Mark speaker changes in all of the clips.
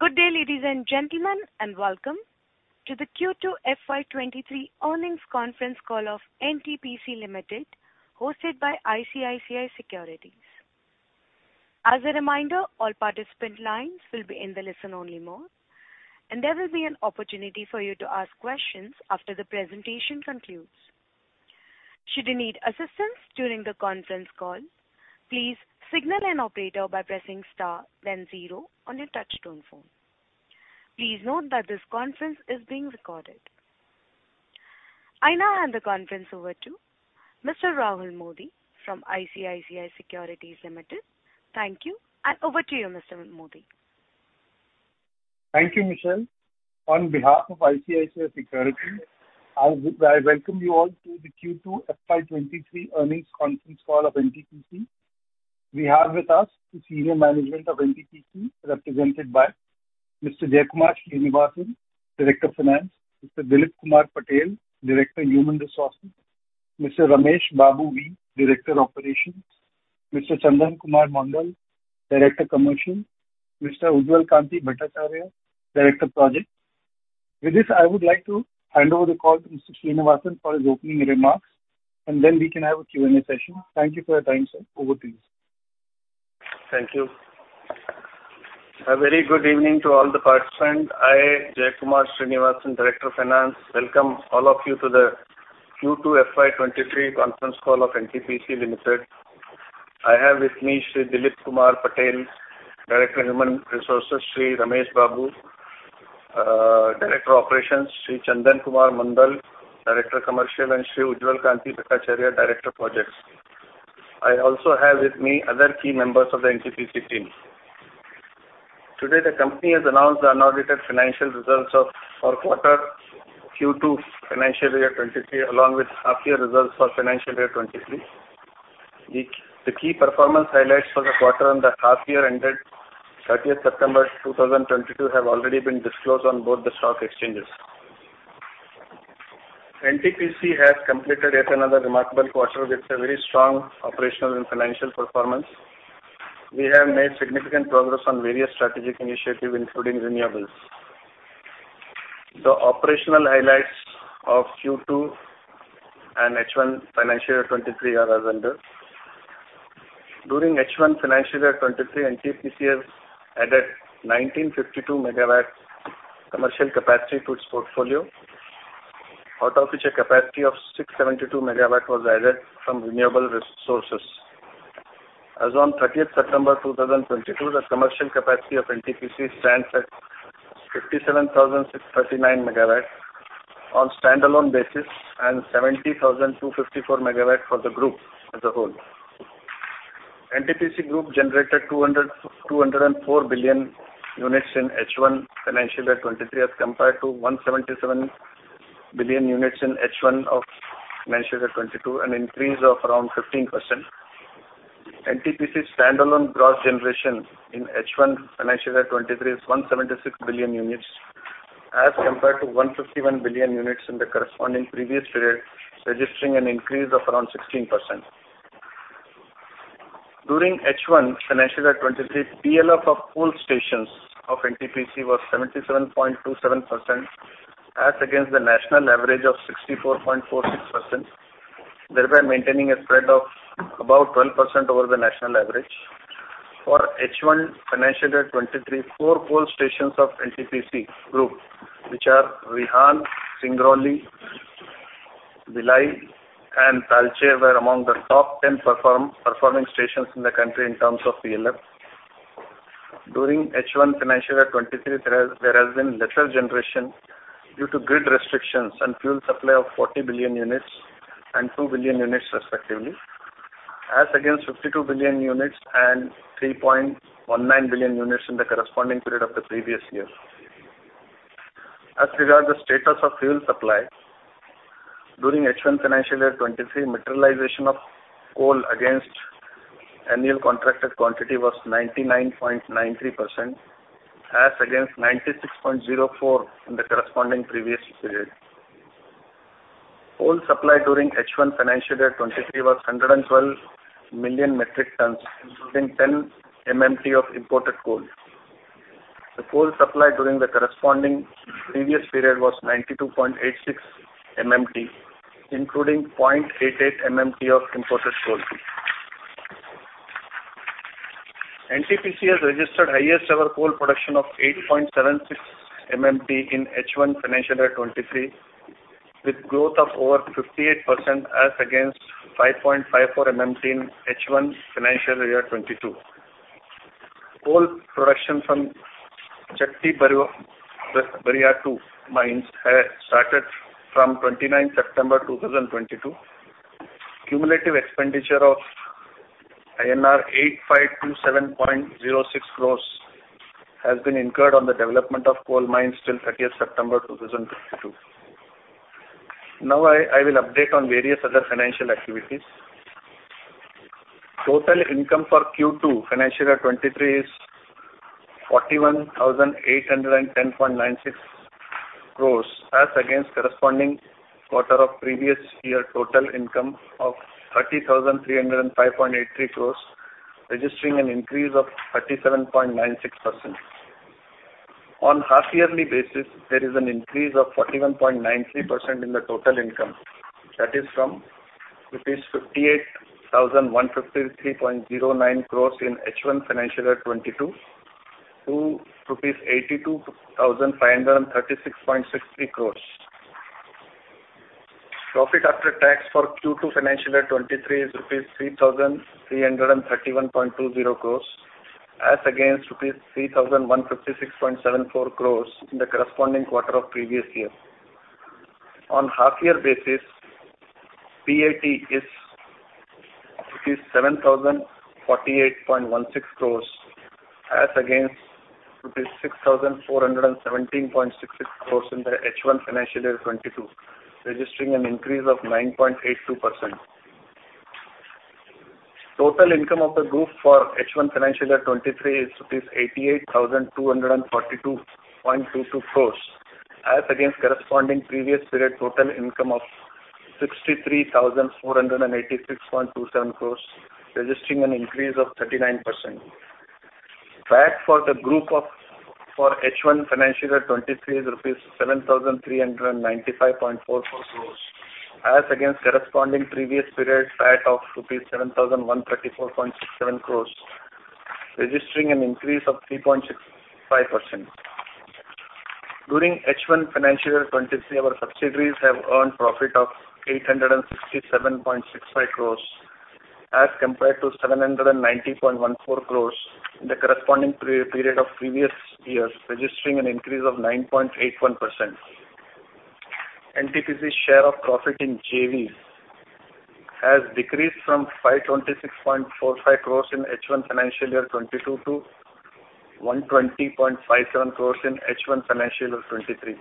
Speaker 1: Good day, ladies and gentlemen, and welcome to the Q2 FY23 earnings conference call of NTPC Limited, hosted by ICICI Securities. As a reminder, all participant lines will be in the listen only mode, and there will be an opportunity for you to ask questions after the presentation concludes. Should you need assistance during the conference call, please signal an operator by pressing star then zero on your touchtone phone. Please note that this conference is being recorded. I now hand the conference over to Mr. Rahul Modi from ICICI Securities Limited. Thank you, and over to you, Mr. Modi.
Speaker 2: Thank you, Michelle. On behalf of ICICI Securities, I welcome you all to the Q2 FY23 earnings conference call of NTPC. We have with us the senior management of NTPC, represented by Mr. Jaikumar Srinivasan, Director Finance, Mr. Dilip Kumar Patel, Director Human Resources, Mr. Ramesh Babu V., Director Operations, Mr. Chandan Kumar Mondol, Director Commercial, Mr. Ujjwal Kanti Bhattacharya, Director Projects. With this, I would like to hand over the call to Mr. Srinivasan for his opening remarks, and then we can have a Q&A session. Thank you for your time, sir. Over to you.
Speaker 3: Thank you. A very good evening to all the participants. I, Jaikumar Srinivasan, Director Finance, welcome all of you to the Q2 FY 23 conference call of NTPC Limited. I have with me Shri Dilip Kumar Patel, Director Human Resources, Shri Ramesh Babu V., Director Operations, Shri Chandan Kumar Mondal, Director Commercial, and Shri Ujjwal Kanti Bhattacharya, Director Projects. I also have with me other key members of the NTPC team. Today, the company has announced the unaudited financial results of our quarter Q2 financial year 23, along with half year results for financial year 23. The key performance highlights for the quarter and the half year ended 30th September 2022 have already been disclosed on both the stock exchanges. NTPC has completed yet another remarkable quarter with a very strong operational and financial performance. We have made significant progress on various strategic initiatives, including renewables. The operational highlights of Q2 and H1 financial year 2023 are as under. During H1 financial year 2023, NTPC has added 1,952 MW commercial capacity to its portfolio, out of which a capacity of 672 MW was added from renewable resources. As on 30 September 2022, the commercial capacity of NTPC stands at 57,639 MW on standalone basis and 70,254 MW for the group as a whole. NTPC group generated 204 billion units in H1 financial year 2023 as compared to 177 billion units in H1 of financial year 2022, an increase of around 15%. NTPC standalone gross generation in H1 financial year 2023 is 176 billion units as compared to 151 billion units in the corresponding previous period, registering an increase of around 16%. During H1 financial year 2023, PLF of coal stations of NTPC was 77.27% as against the national average of 64.46%, thereby maintaining a spread of about 12% over the national average. For H1 financial year 2023, 4 coal stations of NTPC group, which are Rihand, Singrauli, Bhilai, and Talcher were among the top 10 performing stations in the country in terms of PLF. During H1 financial year 2023, there has been lesser generation due to grid restrictions and fuel supply of 40 billion units and 2 billion units respectively, as against 52 billion units and 3.19 billion units in the corresponding period of the previous year. As regards the status of fuel supply, during H1 financial year 2023, materialization of coal against annual contracted quantity was 99.93% as against 96.04% in the corresponding previous period. Coal supply during H1 financial year 2023 was 112 million metric tons, including 10 MMT of imported coal. The coal supply during the corresponding previous period was 92.86 MMT, including 0.88 MMT of imported coal. NTPC has registered highest ever coal production of 8.76 MMT in H1 financial year 2023, with growth of over 58% as against 5.54 MMT in H1 financial year 2022. Coal production from Chatti-Bariatu mines has started from 29 September 2022. Cumulative expenditure of INR 8,527.06 crores has been incurred on the development of coal mines till thirtieth September two thousand twenty-two. Now I will update on various other financial activities. Total income for Q2 financial year 2023 is 41,810.96 crores as against corresponding quarter of previous year total income of 30,305.83 crores, registering an increase of 37.96%. On half yearly basis, there is an increase of 41.93% in the total income. That is from rupees 58,153.09 crores in H1 financial year 2022 to rupees 82,536.60 crores. Profit after tax for Q2 financial year 2023 is rupees 3,331.20 crores as against rupees 3,156.74 crores in the corresponding quarter of previous year. On half year basis, PAT is INR 7,048.16 crores as against INR 6,417.66 crores in the H1 financial year 2022, registering an increase of 9.82%. Total income of the group for H1 financial year 2023 is rupees 88,242.22 crores as against corresponding previous period total income of 63,486.27 crores, registering an increase of 39%. PAT for the group for H1 financial year 2023 is 7,395.44 crores as against corresponding previous period PAT of rupees 7,134.67 crores, registering an increase of 3.65%. During H1 financial year 2023, our subsidiaries have earned profit of 867.65 crores as compared to 790.14 crores in the corresponding period of previous years, registering an increase of 9.81%. NTPC's share of profit in JVs has decreased from 526.45 crores in H1 financial year 2022 to 120.57 crores in H1 financial year 2023.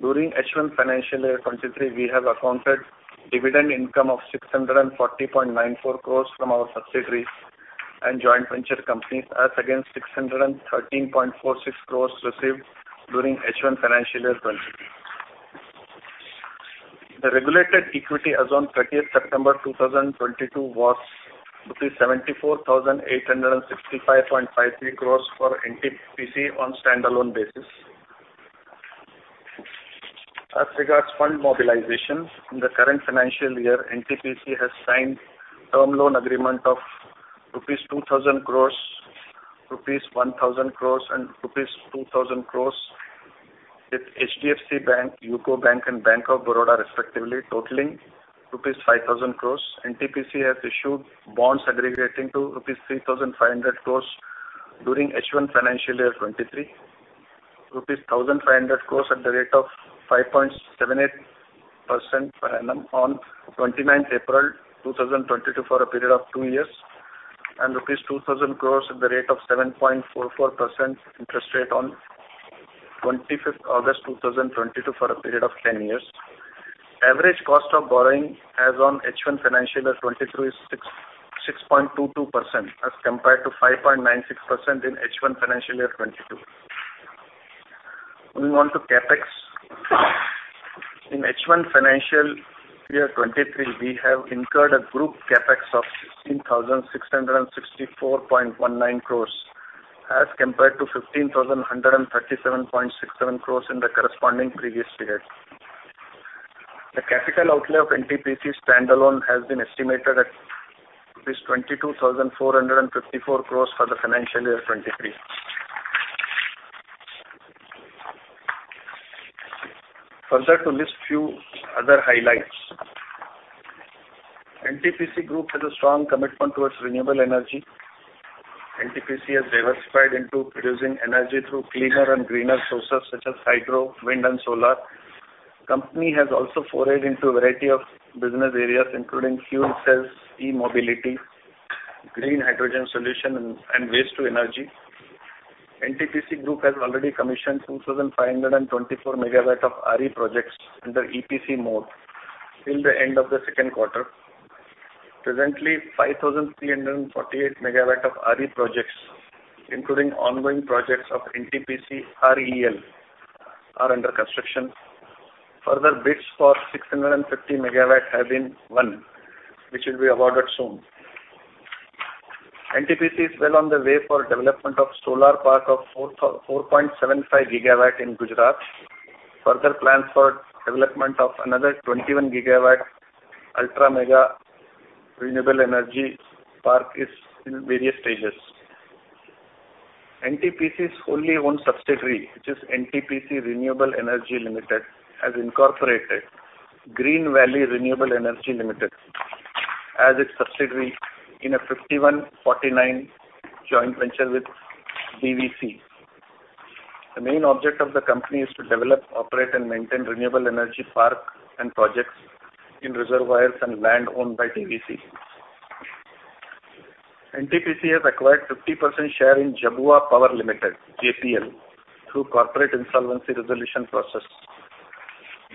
Speaker 3: During H1 financial year 2023, we have accounted dividend income of 640.94 crores from our subsidiaries and joint venture companies, as against 613.46 crores received during H1 financial year 2022. The regulated equity as on 30 September 2022 was 74,865.53 crores for NTPC on standalone basis. As regards fund mobilization, in the current financial year, NTPC has signed term loan agreement of 2,000 crores rupees, 1,000 crores, and rupees 2,000 crores with HDFC Bank, UCO Bank, and Bank of Baroda respectively, totaling rupees 5,000 crores. NTPC has issued bonds aggregating to rupees 3,500 crores during H1 financial year 2023, 1,500 crores at the rate of 5.78% per annum on 29th April 2022 for a period of 2 years, and rupees 2,000 crores at the rate of 7.44% interest rate on 25th August 2022 for a period of 10 years. Average cost of borrowing as on H1 financial year 2023 is 6.22% as compared to 5.96% in H1 financial year 2022. Moving on to CapEx. In H1 financial year 2023, we have incurred a group CapEx of 16,664.19 crores as compared to 15,137.67 crores in the corresponding previous period. The capital outlay of NTPC standalone has been estimated at 22,454 crore for the financial year 2023. Further to list few other highlights. NTPC Group has a strong commitment towards renewable energy. NTPC has diversified into producing energy through cleaner and greener sources such as hydro, wind, and solar. Company has also forayed into a variety of business areas, including fuel cells, e-mobility, green hydrogen solution, and waste to energy. NTPC Group has already commissioned 2,524 MW of RE projects under EPC mode till the end of the second quarter. Presently, 5,348 MW of RE projects, including ongoing projects of NTPC REL, are under construction. Further bids for 650 MW have been won, which will be awarded soon. NTPC is well on the way for development of solar park of 4.75 gigawatt in Gujarat. Further plans for development of another 21 gigawatt ultra mega renewable energy park is in various stages. NTPC's wholly owned subsidiary, which is NTPC Renewable Energy Limited, has incorporated Green Valley Renewable Energy Limited as its subsidiary in a 51-49 joint venture with DVC. The main object of the company is to develop, operate, and maintain renewable energy park and projects in reservoirs and land owned by DVC. NTPC has acquired 50% share in Jhabua Power Limited, JPL, through corporate insolvency resolution process.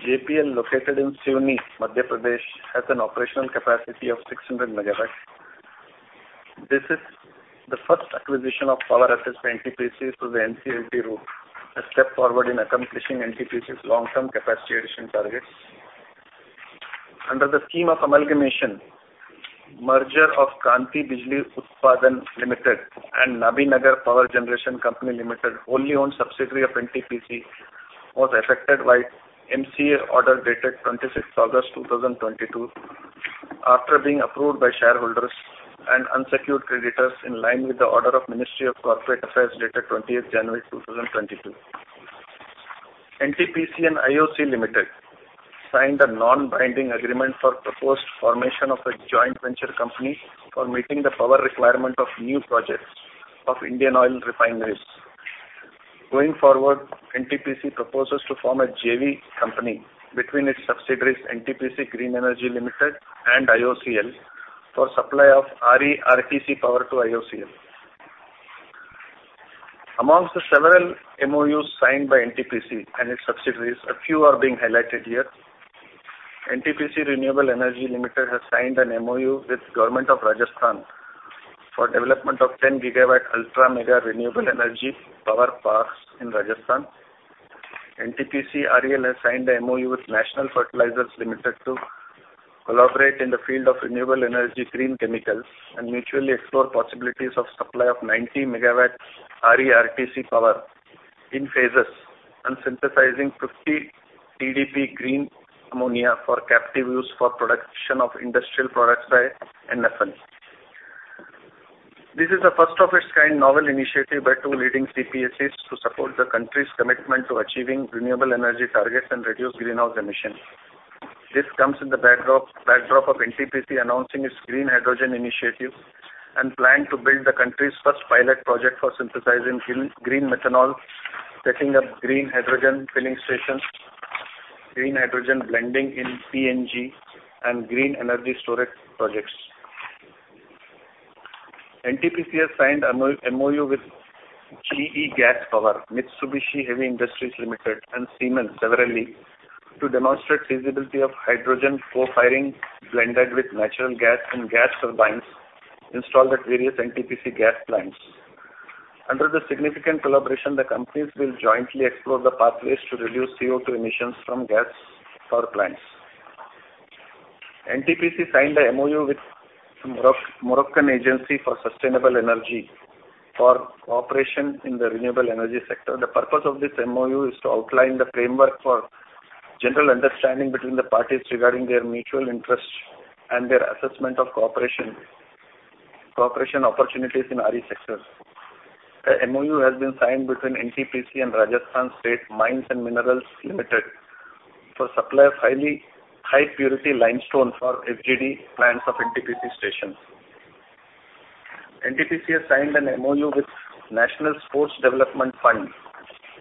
Speaker 3: JPL, located in Seoni, Madhya Pradesh, has an operational capacity of 600 megawatt. This is the first acquisition of power assets for NTPC through the CIRP route, a step forward in accomplishing NTPC's long-term capacity addition targets. Under the scheme of amalgamation, merger of Kanti Bijlee Utpadan Nigam Limited and Nabinagar Power Generating Company Limited, wholly owned subsidiary of NTPC, was effected by MCA order dated 26th August 2022 after being approved by shareholders and unsecured creditors in line with the order of Ministry of Corporate Affairs, dated 20th January 2022. NTPC and Indian Oil Corporation Limited signed a non-binding agreement for proposed formation of a joint venture company for meeting the power requirement of new projects of Indian oil refineries. Going forward, NTPC proposes to form a JV company between its subsidiaries, NTPC Green Energy Limited and IOCL, for supply of RE RTC power to IOCL. Among the several MOUs signed by NTPC and its subsidiaries, a few are being highlighted here. NTPC Renewable Energy Limited has signed an MoU with Government of Rajasthan for development of 10 gigawatt ultra-mega renewable energy power parks in Rajasthan. NTPC REL has signed a MoU with National Fertilizers Limited to collaborate in the field of renewable energy green chemicals, and mutually explore possibilities of supply of 90 megawatts RE RTC power in phases, and synthesizing 50 TPD green ammonia for captive use for production of industrial products by NFL. This is the first of its kind novel initiative by two leading CPSEs to support the country's commitment to achieving renewable energy targets and reduce greenhouse emissions. This comes in the backdrop of NTPC announcing its green hydrogen initiative and plan to build the country's first pilot project for synthesizing green methanol, setting up green hydrogen filling stations, green hydrogen blending in PNG and green energy storage projects. NTPC has signed a MoU with GE Gas Power, Mitsubishi Heavy Industries Limited, and Siemens severally to demonstrate feasibility of hydrogen co-firing blended with natural gas and gas turbines installed at various NTPC gas plants. Under the significant collaboration, the companies will jointly explore the pathways to reduce CO₂ emissions from gas power plants. NTPC signed a MoU with Moroccan Agency for Sustainable Energy for cooperation in the renewable energy sector. The purpose of this MoU is to outline the framework for general understanding between the parties regarding their mutual interests and their assessment of cooperation opportunities in RE sector. A MoU has been signed between NTPC and Rajasthan State Mines and Minerals Limited for supply of high purity limestone for FGD plants of NTPC stations. NTPC has signed an MoU with National Sports Development Fund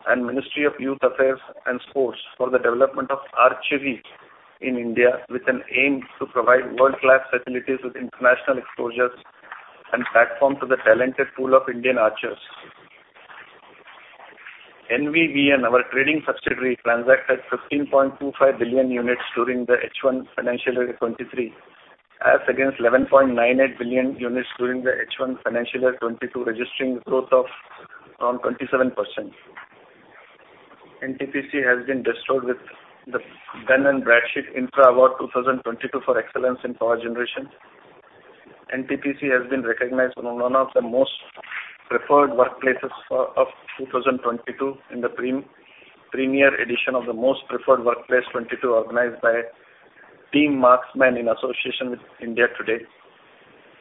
Speaker 3: and Ministry of Youth Affairs and Sports for the development of archery in India, with an aim to provide world-class facilities with international exposures and platform to the talented pool of Indian archers. NVVN, our trading subsidiary, transacted 15.25 billion units during the H1 financial year 2023, as against 11.98 billion units during the H1 financial year 2022, registering growth of around 27%. NTPC has been bestowed with the Dun & Bradstreet Infra Award 2022 for excellence in power generation. NTPC has been recognized as one of the Most Preferred Workplaces of 2022 in the premier edition of the Most Preferred Workplace 2022 organized by Team Marksmen in association with India Today.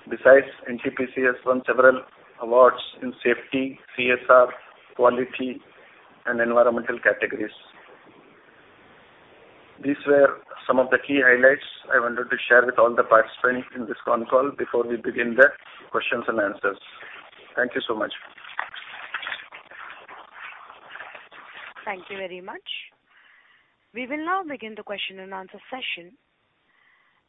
Speaker 3: Besides, NTPC has won several awards in safety, CSR, quality and environmental categories. These were some of the key highlights I wanted to share with all the participants in this con call before we begin the questions and answers. Thank you so much.
Speaker 1: Thank you very much. We will now begin the question and answer session.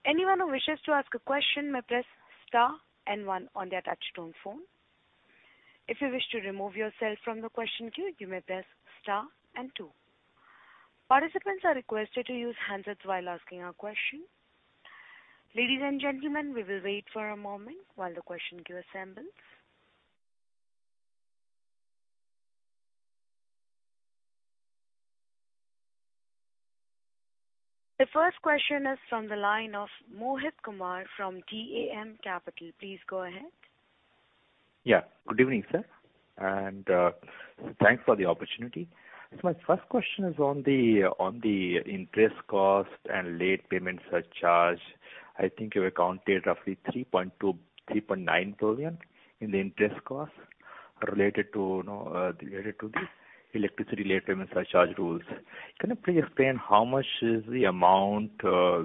Speaker 1: Anyone who wishes to ask a question may press star and one on their touchtone phone. If you wish to remove yourself from the question queue, you may press star and two. Participants are requested to use handsets while asking a question. Ladies and gentlemen, we will wait for a moment while the question queue assembles. The first question is from the line of Mohit Kumar from DAM Capital Advisors. Please go ahead.
Speaker 4: Yeah. Good evening, sir, and thanks for the opportunity. My first question is on the interest cost and late payment surcharge. I think you've accounted roughly 3.9 billion in the interest cost related to the electricity late payment surcharge rules. Can you please explain how much is the amount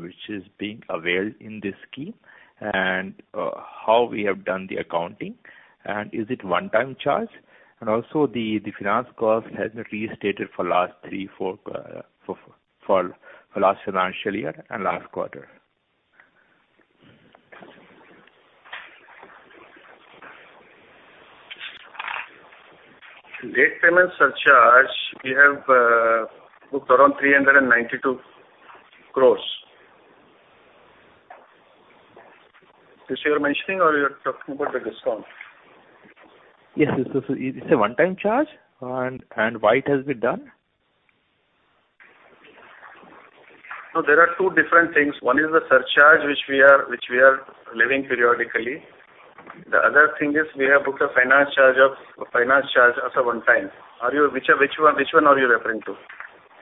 Speaker 4: which is being availed in this scheme and how we have done the accounting, and is it one-time charge? The finance cost has been restated for last three, four financial year and last quarter.
Speaker 3: Late payment surcharge, we have booked around 392 crore. This you are mentioning or you are talking about the discount?
Speaker 4: Yes. Is this a one-time charge and why it has been done?
Speaker 3: No, there are two different things. One is the surcharge which we are levying periodically. The other thing is we have booked a finance charge as a one-time. Which one are you referring to?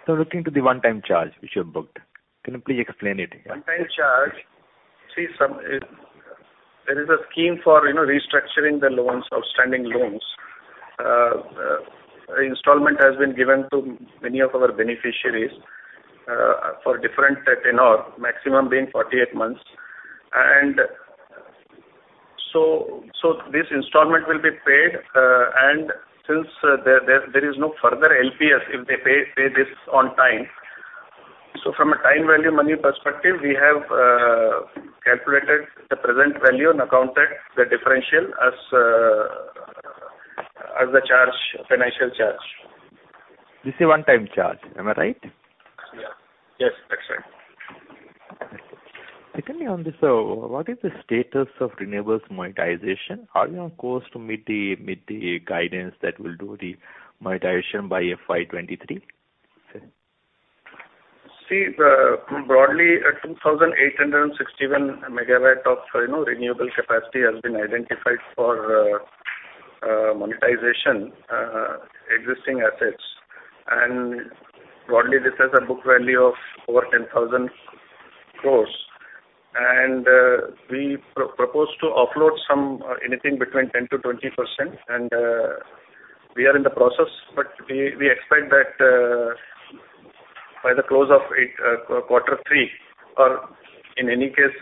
Speaker 4: Sir, referring to the one-time charge which you have booked. Can you please explain it? Yeah.
Speaker 3: One time charge. There is a scheme for, you know, restructuring the loans, outstanding loans. Installment has been given to many of our beneficiaries for different tenure, maximum being 48 months. This installment will be paid, and since there is no further LPS if they pay this on time. From a time value of money perspective, we have calculated the present value and accounted the differential as a financial charge.
Speaker 4: This is a one-time charge. Am I right?
Speaker 3: Yeah. Yes, that's right.
Speaker 4: Secondly on this. What is the status of renewables monetization? Are you on course to meet the guidance that will do the monetization by FY 2023?
Speaker 3: See, broadly at 2,861 MW of, you know, renewable capacity has been identified for monetization, existing assets. Broadly this has a book value of over 10,000 crores. We propose to offload some, anything between 10%-20%. We are in the process, but we expect that by the close of Q3 or in any case,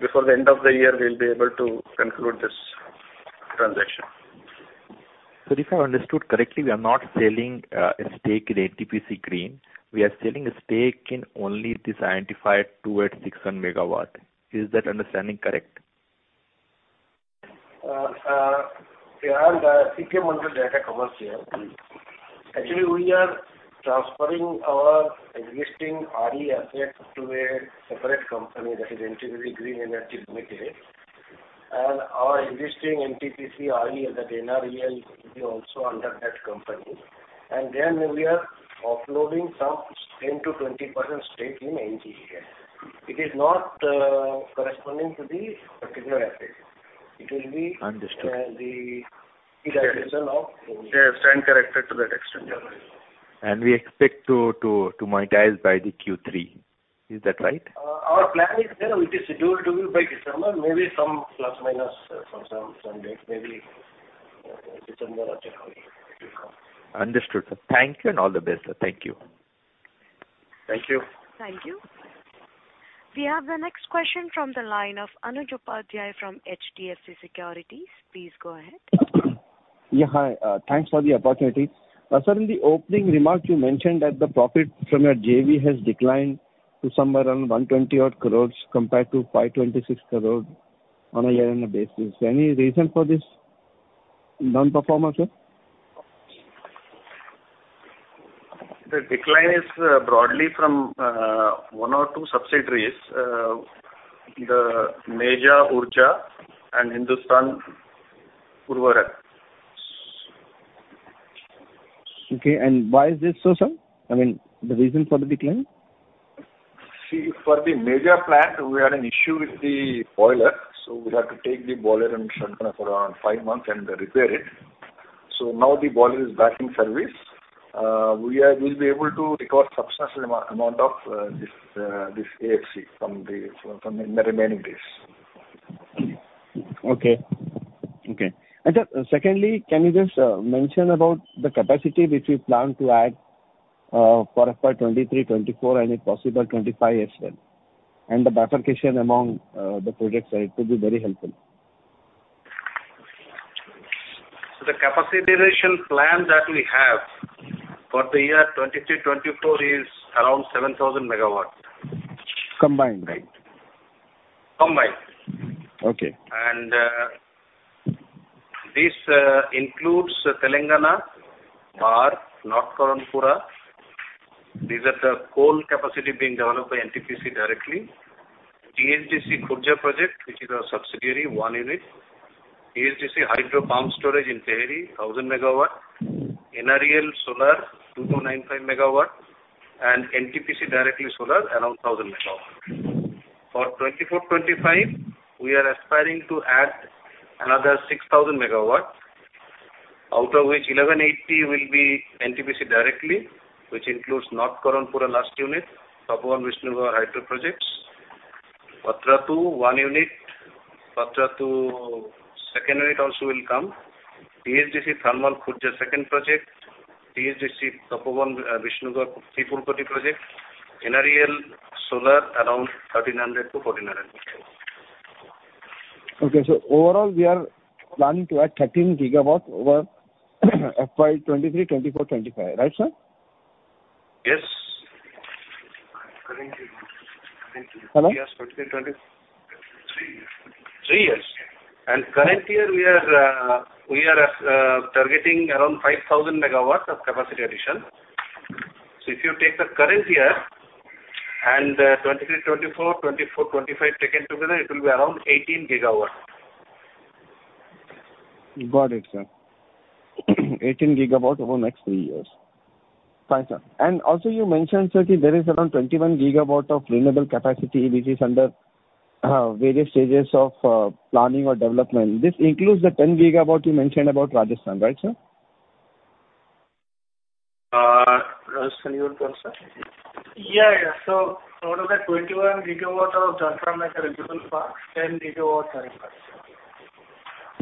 Speaker 3: before the end of the year, we'll be able to conclude this transaction.
Speaker 4: Sir, if I understood correctly, we are not selling a stake in NTPC Green. We are selling a stake in only this identified 2x600 MW. Is that understanding correct?
Speaker 3: This is CK Mondal, Director Commercial. Actually, we are transferring our existing RE assets to a separate company that is NTPC Green Energy Limited. Our existing NTPC RE and the NTPC REL will be also under that company. We are offloading some 10%-20% stake in NGEL. It is not corresponding to the particular asset. It will be-
Speaker 4: Understood.
Speaker 3: Stand corrected to that extent.
Speaker 4: We expect to monetize by the Q3. Is that right?
Speaker 3: Our plan is there. It is scheduled to be by December, maybe some plus minus for some date, maybe December or January to come.
Speaker 4: Understood. Thank you and all the best. Thank you.
Speaker 3: Thank you.
Speaker 1: Thank you. We have the next question from the line of Anuj Upadhyay from HDFC Securities. Please go ahead.
Speaker 5: Yeah. Hi, thanks for the opportunity. Sir, in the opening remarks you mentioned that the profit from your JV has declined to somewhere around 120-odd crores compared to 526 crore on a year-on-year basis. Any reason for this non-performance, sir?
Speaker 3: The decline is broadly from one or two subsidiaries, the Meja Urja Nigam Private Limited and Hindustan Urvarak & Rasayan Limited.
Speaker 5: Okay. Why is this so, sir? I mean, the reason for the decline.
Speaker 3: See, for the Meja plant, we had an issue with the boiler, so we had to take the boiler and shut down for around five months and repair it. Now the boiler is back in service. We'll be able to recover substantial amount of this AFC from the remaining days.
Speaker 5: Okay. Secondly, can you just mention about the capacity which you plan to add for FY 2023, 2024 and if possible 2025 as well, and the bifurcation among the projects. It will be very helpful.
Speaker 3: The capacity addition plan that we have for the year 2023-24 is around 7,000 megawatts.
Speaker 5: Combined, right?
Speaker 3: Combined.
Speaker 5: Okay.
Speaker 3: This includes Telangana or North Karanpura. These are the coal capacity being developed by NTPC directly. THDC Khurja project, which is our subsidiary, one unit. THDC hydro pump storage in Tehri, 1,000 MW. NTPC REL solar, 2.95 MW. NTPC directly solar, around 1,000 MW. For 2024-25, we are aspiring to add another 6,000 MW, out of which 1,180 will be NTPC directly, which includes North Karanpura last unit, Tapovan Vishnugad hydro projects. Patratu II, one unit. Patratu II second unit also will come. THDC thermal Khurja second project. THDC Tapovan Vishnugad Pipalkoti project. NTPC REL solar around 1,300-1,400.
Speaker 5: Okay. Overall we are planning to add 13 gigawatts over FY 23, 24, 25, right, sir?
Speaker 3: Yes.
Speaker 5: Yes, 23, 20-
Speaker 3: Three years.
Speaker 5: Three years.
Speaker 3: Current year, we are targeting around 5,000 megawatts of capacity addition. If you take the current year and 2023, 2024, 2025 taken together, it will be around 18 gigawatts.
Speaker 5: Got it, sir. 18 gigawatts over the next three years. Fine, sir. You mentioned, sir, there is around 21 gigawatts of renewable capacity which is under various stages of planning or development. This includes the 10 gigawatts you mentioned about Rajasthan, right, sir?
Speaker 3: Rajasthan you were talking, sir? Yeah, yeah. Out of the 21 GW of Khavda and renewable parks, 10 GW are in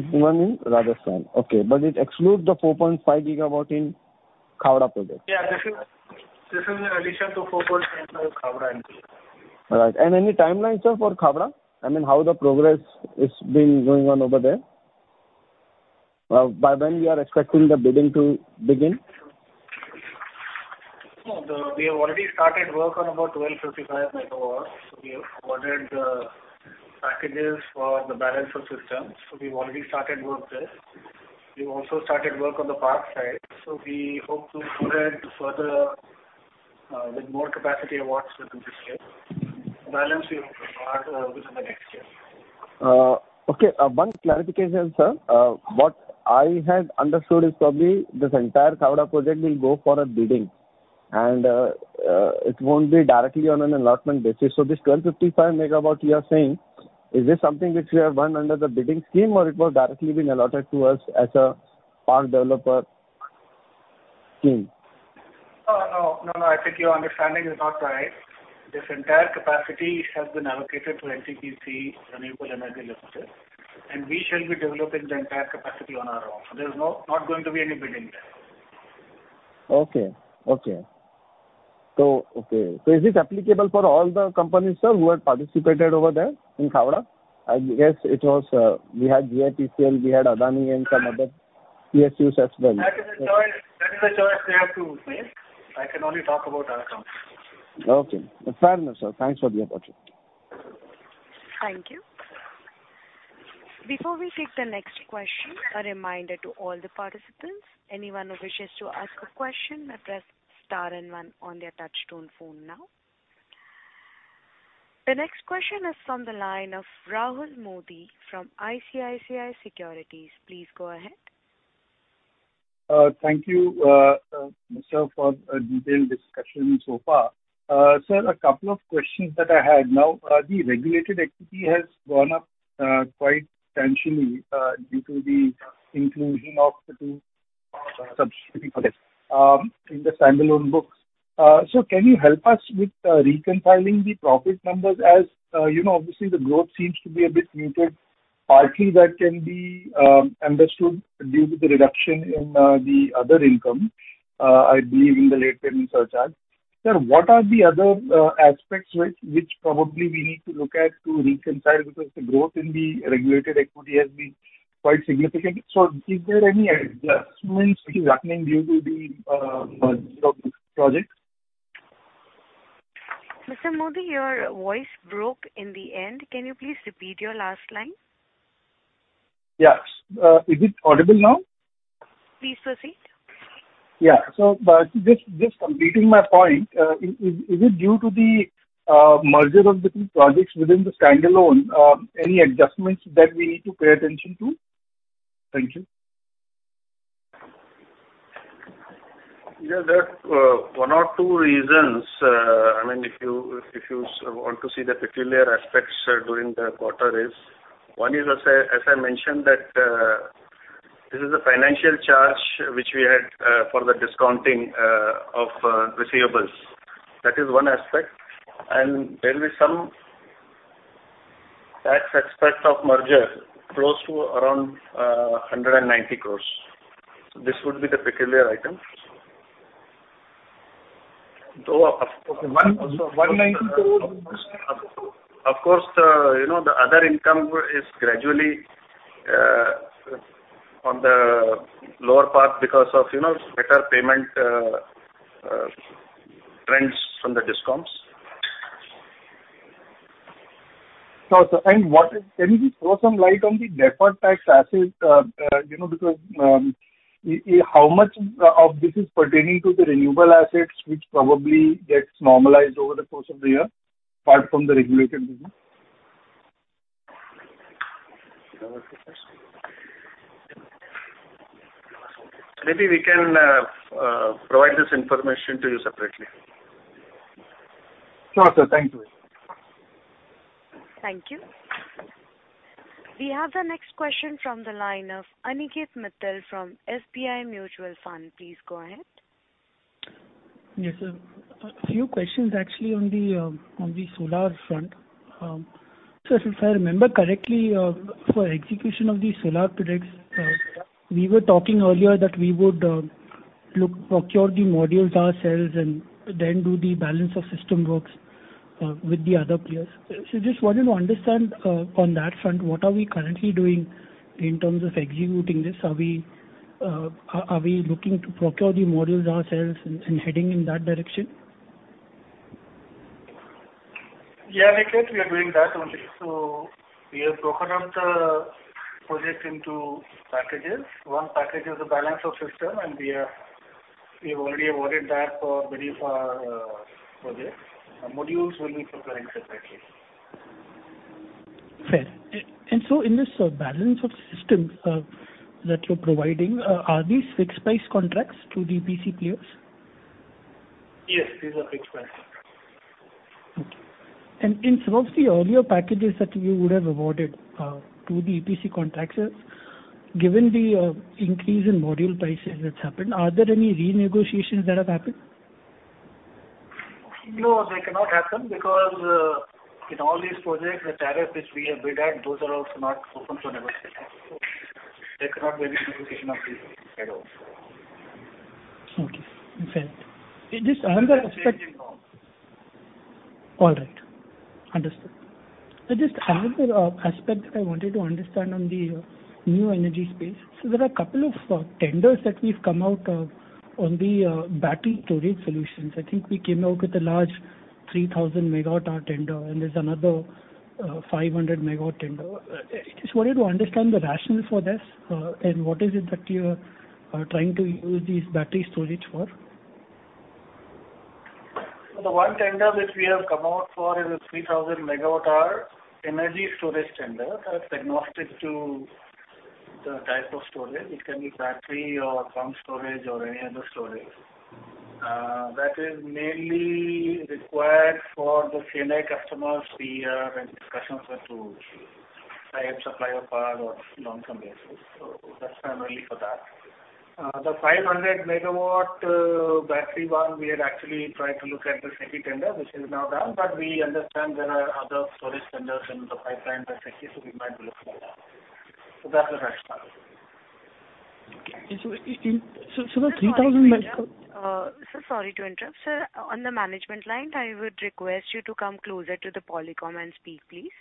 Speaker 3: Rajasthan.
Speaker 5: One in Rajasthan. Okay. It excludes the 4.5 GW in Khavda project.
Speaker 3: Yeah. This is in addition to 4.5 Khavda MP.
Speaker 5: All right. Any timelines, sir, for Khavda? I mean, how the progress is being going on over there? By when we are expecting the bidding to begin?
Speaker 3: We have already started work on about 1,255 megawatts. We have awarded the packages for the balance of systems. We've already started work there. We've also started work on the park side. We hope to proceed further with more capacity awards within this year. Balance we hope to award within the next year.
Speaker 5: One clarification, sir. What I had understood is probably this entire Khavda project will go for a bidding, and it won't be directly on an allotment basis. This 1,255-megawatt you are saying, is this something which we have won under the bidding scheme or it was directly been allotted to us as a park developer scheme?
Speaker 3: No. No, no. I think your understanding is not right. This entire capacity has been allocated to NTPC Renewable Energy Limited, and we shall be developing the entire capacity on our own. There's not going to be any bidding there.
Speaker 5: Is this applicable for all the companies, sir, who had participated over there in Khavda? I guess it was, we had GIPCL, we had Adani, and some other PSUs as well.
Speaker 3: That is a choice they have to make. I can only talk about our company.
Speaker 5: Okay. Fair enough, sir. Thanks for the opportunity.
Speaker 1: Thank you. Before we take the next question, a reminder to all the participants, anyone who wishes to ask a question may press star and one on their touchtone phone now. The next question is from the line of Rahul Modi from ICICI Securities. Please go ahead.
Speaker 2: Thank you, sir, for a detailed discussion so far. Sir, a couple of questions that I had. Now, the regulated equity has gone up quite substantially due to the inclusion of the two subsidy projects in the standalone books. Can you help us with reconciling the profit numbers as, you know, obviously the growth seems to be a bit muted. Partly that can be understood due to the reduction in the other income, I believe in the late payment surcharge. Sir, what are the other aspects which probably we need to look at to reconcile? Because the growth in the regulated equity has been quite significant. Is there any adjustments which is happening due to the projects?
Speaker 1: Mr. Modi, your voice broke in the end. Can you please repeat your last line?
Speaker 2: Yes. Is it audible now?
Speaker 1: Please proceed.
Speaker 2: Yeah. Just completing my point, is it due to the merger of the two projects within the standalone, any adjustments that we need to pay attention to? Thank you.
Speaker 3: Yeah, there are one or two reasons. I mean, if you want to see the peculiar aspects during the quarter, one is, as I mentioned, that this is a financial charge which we had for the discounting of receivables. That is one aspect. There'll be some tax aspects of merger close to around 190 crores. So this would be the peculiar items.
Speaker 2: Of course. INR 190 crores?
Speaker 3: Of course, you know, the other income is gradually on the lower part because of, you know, better payment trends from the DISCOMs.
Speaker 2: Sure, sir. Can you just throw some light on the deferred tax assets? You know, because how much of this is pertaining to the renewable assets which probably gets normalized over the course of the year, apart from the regulated business?
Speaker 3: Maybe we can provide this information to you separately.
Speaker 2: Sure, sir. Thank you.
Speaker 1: Thank you. We have the next question from the line of Aniket Mittal from SBI Mutual Fund. Please go ahead.
Speaker 6: Yes, sir. A few questions actually on the solar front. If I remember correctly, for execution of the solar projects, we were talking earlier that we would procure the modules ourselves and then do the balance of system works with the other players. Just wanted to understand, on that front, what are we currently doing in terms of executing this? Are we Are we looking to procure the modules ourselves and heading in that direction?
Speaker 3: Yeah, Niket, we are doing that only. We have broken up the project into packages. One package is the balance of system, and we have already awarded that for Bikaner project. The modules will be procured separately.
Speaker 6: Fair. In this balance of system that you're providing, are these fixed price contracts to the EPC players?
Speaker 3: Yes, these are fixed price contracts.
Speaker 6: Okay. In some of the earlier packages that you would have awarded to the EPC contractors, given the increase in module prices that's happened, are there any renegotiations that have happened?
Speaker 3: No, they cannot happen because, in all these projects, the tariff which we have bid at, those are also not open to negotiation. There cannot be any negotiation of these at all.
Speaker 6: Okay. Fair. Just another aspect. All right. Understood. Just another aspect that I wanted to understand on the new energy space. There are a couple of tenders that we've come out with on the battery storage solutions. I think we came out with a large 3,000 MWh tender, and there's another 500 MW tender. I just wanted to understand the rationale for this, and what is it that you are trying to use these battery storage for?
Speaker 3: The one tender which we have come out for is a 3,000 megawatt hour energy storage tender. That's agnostic to the type of storage. It can be battery or pump storage or any other storage. That is mainly required for the C&I customers. We are in discussions with to tie up supply of power on long-term basis. That's primarily for that. The 500 megawatt battery one, we are actually trying to look at the SECI tender, which is now done. We understand there are other storage tenders in the pipeline by SECI, so we might look at that. That's the rationale.
Speaker 6: Okay. The 3,000 mega-
Speaker 1: Sir, sorry to interrupt. Sir, on the management line, I would request you to come closer to the Polycom and speak, please.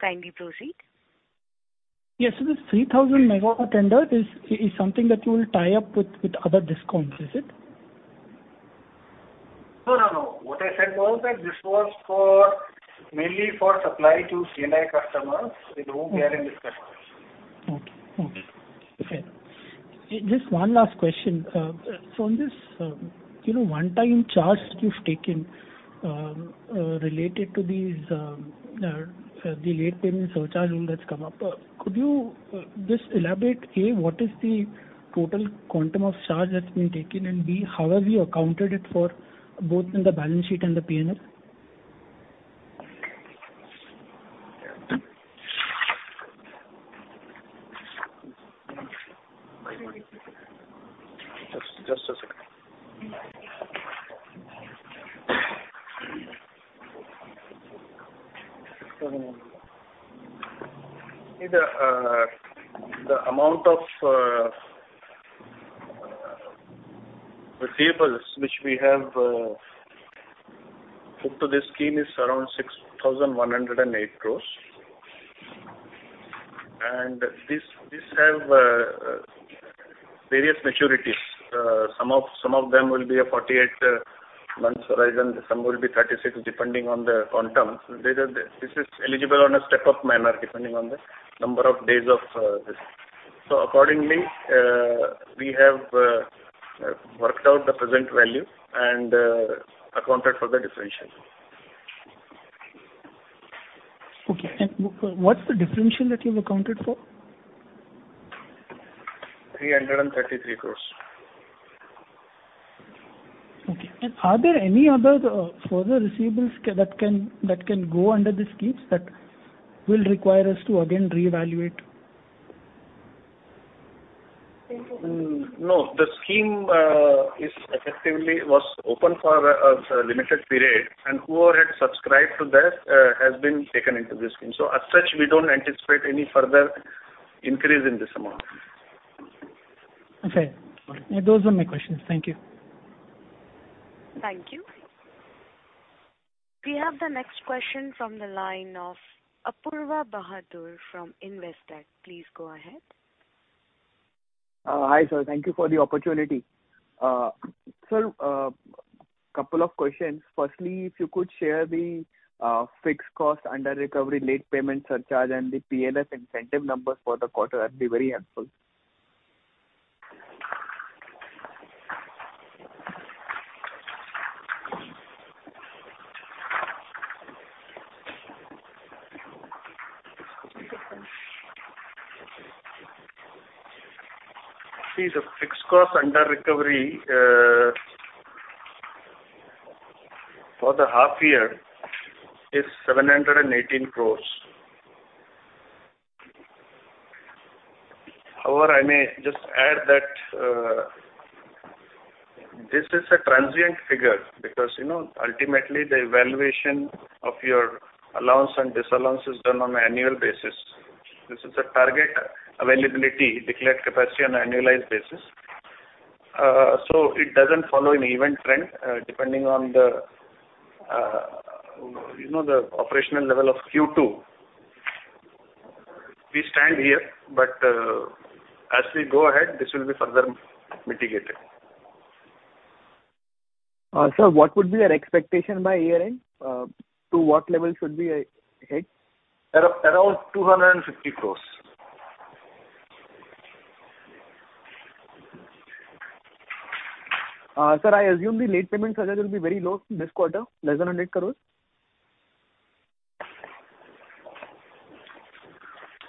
Speaker 1: Kindly proceed.
Speaker 6: Yes. This 3,000 megawatt tender is something that you will tie up with other discounts, is it?
Speaker 3: No, no. What I said was that this was for, mainly for supply to C&I customers-
Speaker 6: Okay.
Speaker 3: with whom we are in discussions.
Speaker 6: Okay. Fair. Just one last question. On this, you know, one-time charge that you've taken, related to these, the late payment surcharge rule that's come up, could you just elaborate, A, what is the total quantum of charge that's been taken? And B, how have you accounted it for both in the balance sheet and the P&L?
Speaker 3: Just a second. The amount of receivables which we have put to this scheme is around 6,108 crores. This has various maturities. Some of them will be a 48-month horizon, some will be 36, depending on the quantum. This is eligible on a step-up manner, depending on the number of days of this. Accordingly, we have worked out the present value and accounted for the differential.
Speaker 6: Okay. What's the differential that you've accounted for?
Speaker 3: Three hundred and thirty-three crores.
Speaker 6: Okay. Are there any other further receivables that can go under the schemes that will require us to again reevaluate?
Speaker 3: No, the scheme was effectively open for a limited period, and whoever had subscribed to that has been taken into this scheme. We don't anticipate any further increase in this amount.
Speaker 6: Okay. Those were my questions. Thank you.
Speaker 1: Thank you. We have the next question from the line of Apoorva Bahadur from Investec. Please go ahead.
Speaker 7: Hi, sir. Thank you for the opportunity. Sir, couple of questions. Firstly, if you could share the fixed cost under recovery late payment surcharge and the PLF incentive numbers for the quarter, that'd be very helpful.
Speaker 3: See, the fixed cost under recovery for the half year is 718 crores. However, I may just add that, this is a transient figure because, you know, ultimately the evaluation of your allowance and disallowance is done on an annual basis. This is a target availability declared capacity on an annualized basis. It doesn't follow an even trend, depending on the, you know, the operational level of Q2. We stand here, but, as we go ahead, this will be further mitigated.
Speaker 7: Sir, what would be your expectation by year-end? To what level should we hit?
Speaker 3: Ar-around two hundred and fifty crores.
Speaker 7: Sir, I assume the late payment charges will be very low this quarter, less than 100 crores.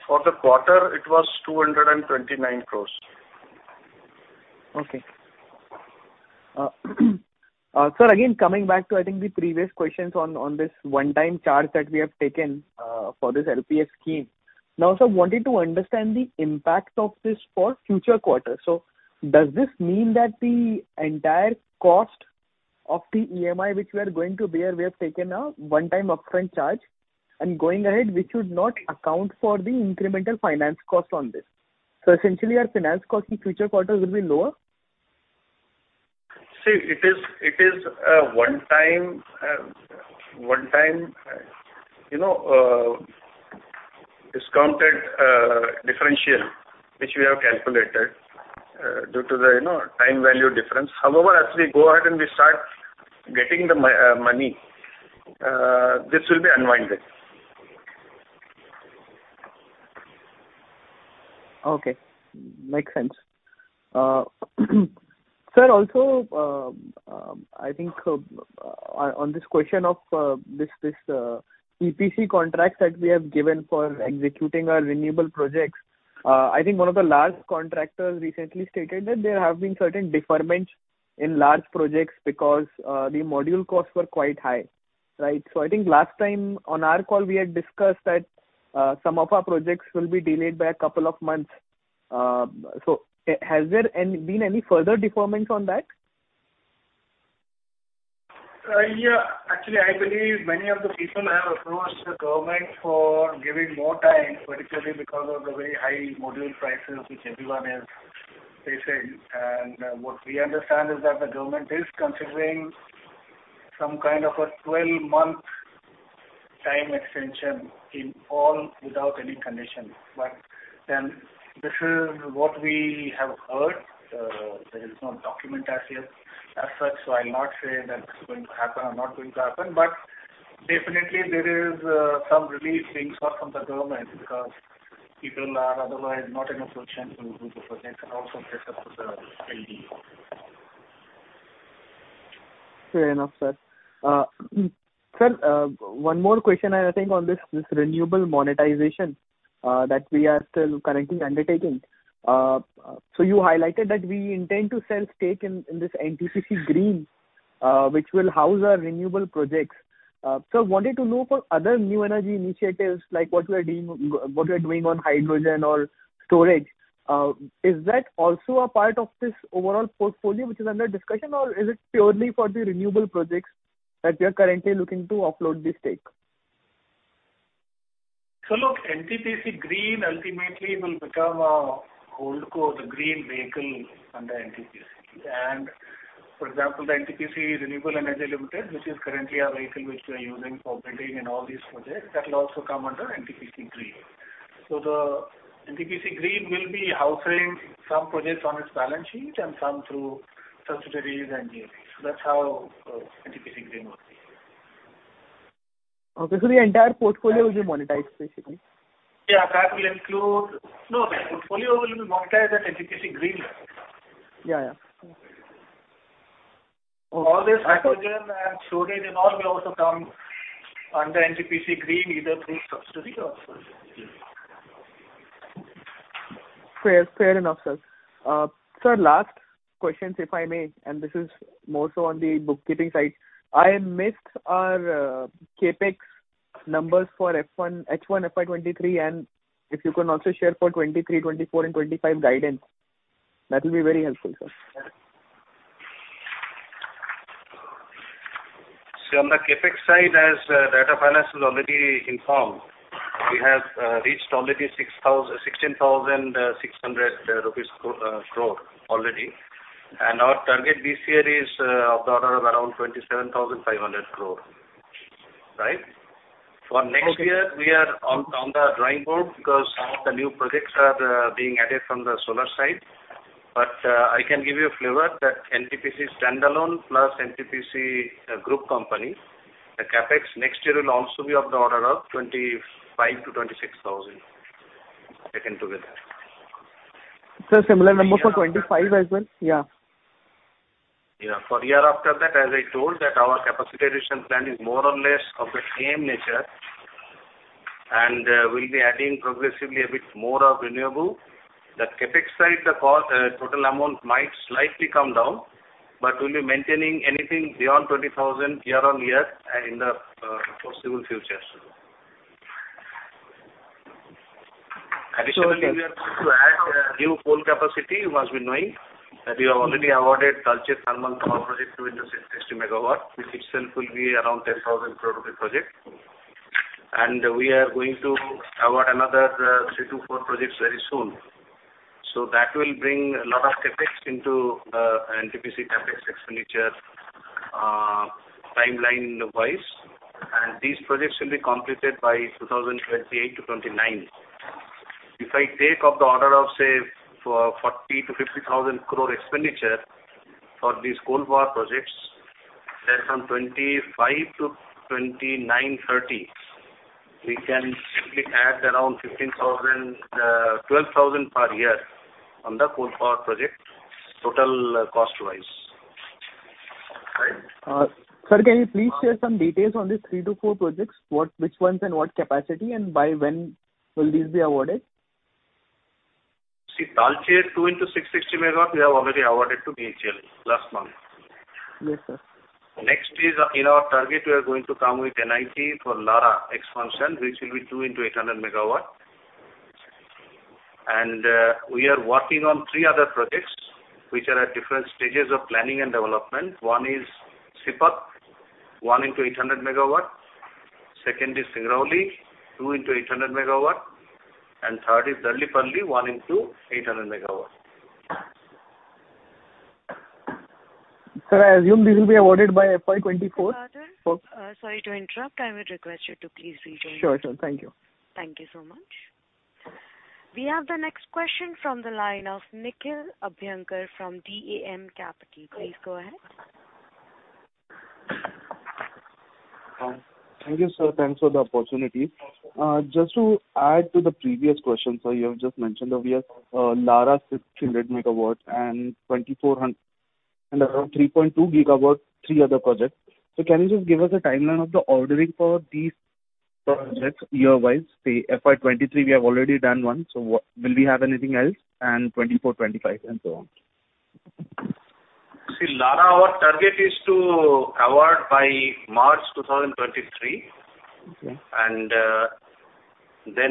Speaker 3: For the quarter, it was 229 crore.
Speaker 7: Okay. Sir, again, coming back to, I think, the previous questions on this one-time charge that we have taken, for this LPS scheme. Now, sir, wanted to understand the impact of this for future quarters. Does this mean that the entire cost of the EMI which we are going to bear, we have taken a one-time upfront charge, and going ahead, we should not account for the incremental finance cost on this? Essentially our finance cost in future quarters will be lower?
Speaker 3: See, it is a one-time, you know, discounted differential, which we have calculated due to the, you know, time value difference. However, as we go ahead and we start getting the money, this will be unwound.
Speaker 7: Okay. Makes sense. Sir, also, I think on this question of this EPC contract that we have given for executing our renewable projects, I think one of the large contractors recently stated that there have been certain deferments in large projects because the module costs were quite high, right? I think last time on our call, we had discussed that some of our projects will be delayed by a couple of months. Has there been any further deferments on that?
Speaker 3: Yeah. Actually, I believe many of the people have approached the government for giving more time, particularly because of the very high module prices which everyone is facing. What we understand is that the government is considering some kind of a 12-month time extension in all without any condition. This is what we have heard. There is no document as yet as such, so I'll not say that it's going to happen or not going to happen. Definitely there is some relief being sought from the government because people are otherwise not in a position to do the projects and also face up to the LD.
Speaker 7: Fair enough, sir. Sir, one more question, I think, on this renewable monetization that we are still currently undertaking. You highlighted that we intend to sell stake in this NTPC Green, which will house our renewable projects. Wanted to know for other new energy initiatives, like what we are doing on hydrogen or storage, is that also a part of this overall portfolio which is under discussion, or is it purely for the renewable projects that we are currently looking to offload the stake?
Speaker 3: Look, NTPC Green ultimately will become a holdco, the green vehicle under NTPC. For example, the NTPC Renewable Energy Limited, which is currently our vehicle which we are using for bidding in all these projects, that will also come under NTPC Green. The NTPC Green will be housing some projects on its balance sheet and some through subsidiaries and JVs. That's how NTPC Green works.
Speaker 7: Okay. The entire portfolio will be monetized basically.
Speaker 3: No, the portfolio will be monetized as NTPC Green.
Speaker 7: Yeah, yeah.
Speaker 3: All this hydrogen and storage and all will also come under NTPC Green, either through subsidiary or project.
Speaker 7: Fair enough, sir. Sir, last questions, if I may, and this is more so on the bookkeeping side. I missed our CapEx numbers for H1 FY23, and if you can also share for 23, 24 and 25 guidance, that will be very helpful, sir.
Speaker 3: On the CapEx side, as the finance has already informed, we have reached already 16,600 crore already. Our target this year is of the order of around 27,500 crore. Right? For next year, we are on the drawing board because some of the new projects are being added from the solar side. I can give you a flavor that NTPC standalone plus NTPC group company, the CapEx next year will also be of the order of 25,000 crore-26,000 crore, taken together.
Speaker 7: Sir, similar number for 25 as well? Yeah.
Speaker 3: Yeah. For year after that, as I told, that our capacity addition plan is more or less of the same nature, and we'll be adding progressively a bit more of renewable. The CapEx side, the cost, total amount might slightly come down, but we'll be maintaining anything beyond 20,000 year on year in the foreseeable future. Additionally, we are going to add new coal capacity. You must be knowing that we have already awarded Talcher Thermal Power Station 2x660 MW. This itself will be around 10,000 crore project. We are going to award another three-four projects very soon. So that will bring a lot of CapEx into NTPC CapEx expenditure, timeline-wise. These projects will be completed by 2028-2029. If I take up the order of, say, for 40,000-50,000 crore expenditure for these coal power projects, then from 2025-2029, 2030, we can simply add around 15,000, 12,000 crore per year on the coal power project, total cost-wise. Right?
Speaker 7: Sir, can you please share some details on these three-four projects, what, which ones and what capacity, and by when will these be awarded?
Speaker 3: See Talcher 2x660 MW, we have already awarded to BHEL last month.
Speaker 7: Yes, sir.
Speaker 3: Next, in our target, we are going to come with NIT for Lara expansion, which will be 2 x 800 MW. We are working on three other projects which are at different stages of planning and development. One is Sipat, 1 x 800 MW. Second is Singrauli, 2 x 800 MW. Third is Darlipali, 1 x 800 MW.
Speaker 7: Sir, I assume these will be awarded by FY 2024?
Speaker 1: Father, sorry to interrupt. I would request you to please rejoin.
Speaker 7: Sure, sure. Thank you.
Speaker 1: Thank you so much. We have the next question from the line of Nikhil Abhyankar from DAM Capital Advisors. Please go ahead.
Speaker 8: Hi. Thank you, sir. Thanks for the opportunity. Just to add to the previous question, sir, you have just mentioned that we have Lara 600 MW and 2,400 and around 3.2 GW, three other projects. Can you just give us a timeline of the ordering for these projects year-wise? Say FY 2023, we have already done one. Will we have anything else in 2024, 2025 and so on?
Speaker 3: See, Lara, our target is to award by March 2023.
Speaker 8: Okay.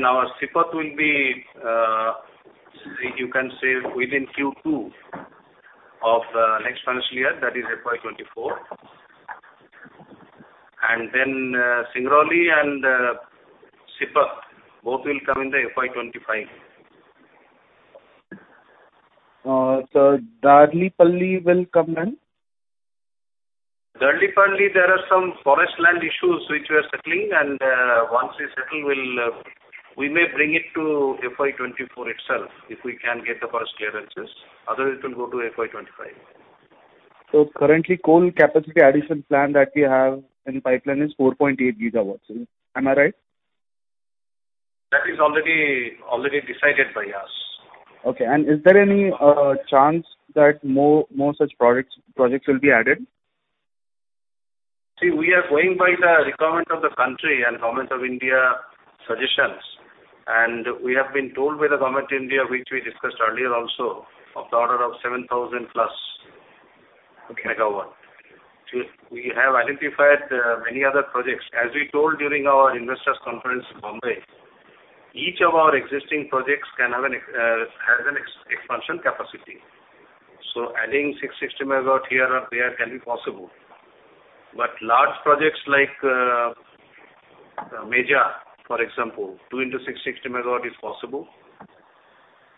Speaker 3: Our Sipat will be, you can say within Q2 of the next financial year, that is FY 2024. Singrauli and Sipat, both will come in the FY 2025.
Speaker 8: Darlipali will come when?
Speaker 3: Darlipali, there are some forest land issues which we are settling and once we settle, we may bring it to FY 2024 itself, if we can get the forest clearances. Otherwise, it will go to FY 2025.
Speaker 8: Currently, coal capacity addition plan that we have in pipeline is 4.8 gigawatts. Am I right?
Speaker 3: That is already decided by us.
Speaker 8: Okay. Is there any chance that more such projects will be added?
Speaker 3: See, we are going by the requirement of the country and Government of India suggestions, and we have been told by the Government of India, which we discussed earlier also, of the order of 7,000 plus.
Speaker 8: Okay.
Speaker 3: 660-megawatt. We have identified many other projects. As we told during our investors conference in Bombay, each of our existing projects has an expansion capacity. Adding 660 megawatt here or there can be possible. Large projects like Meja, for example, two into 660 megawatt is possible.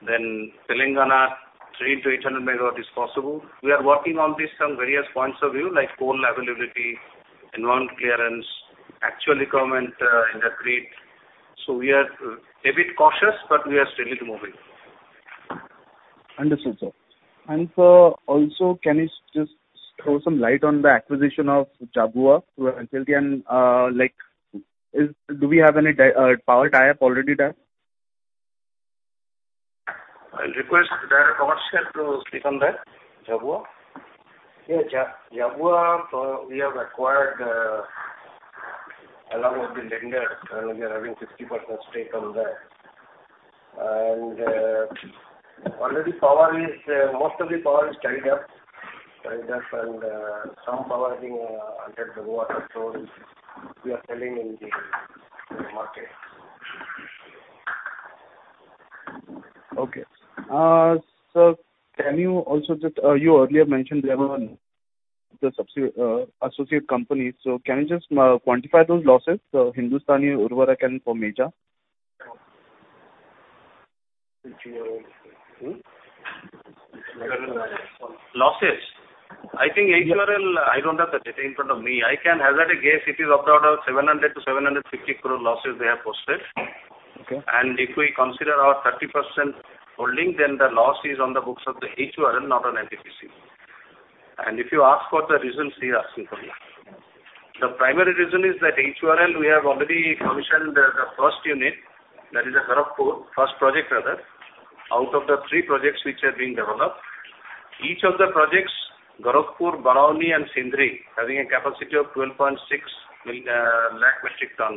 Speaker 3: Then Telangana, three into 800 megawatt is possible. We are working on this from various points of view, like coal availability, environment clearance, actual requirement in the grid. We are a bit cautious, but we are steadily moving.
Speaker 8: Understood, sir. Sir, also, can you just throw some light on the acquisition of Jhabua through NCLT? Like, do we have any power tie-up already there?
Speaker 3: I'll request the commercial to speak on that. Jhabua.
Speaker 9: Yeah. Jhabua, we have acquired along with the lender, and we are having 50% stake on that. Already, most of the power is tied up, and some power is being under the waterfall, we are selling in the market.
Speaker 8: Sir, can you also just, you earlier mentioned there were the associate companies. Can you just quantify those losses? Hindustan Urvarak & Rasayan Limited and for Meja.
Speaker 3: Losses. I think HURL. I don't have the data in front of me. I can hazard a guess, it is of the order of 700 crore- 750 crore losses they have posted.
Speaker 8: Okay.
Speaker 3: If we consider our 30% holding, then the loss is on the books of the HURL, not on NTPC. If you ask for the reasons, he asking for me. The primary reason is that HURL, we have already commissioned the first unit, that is at Gorakhpur, first project rather, out of the three projects which are being developed. Each of the projects, Gorakhpur, Barauni and Sindri, having a capacity of 12.6 lakh metric ton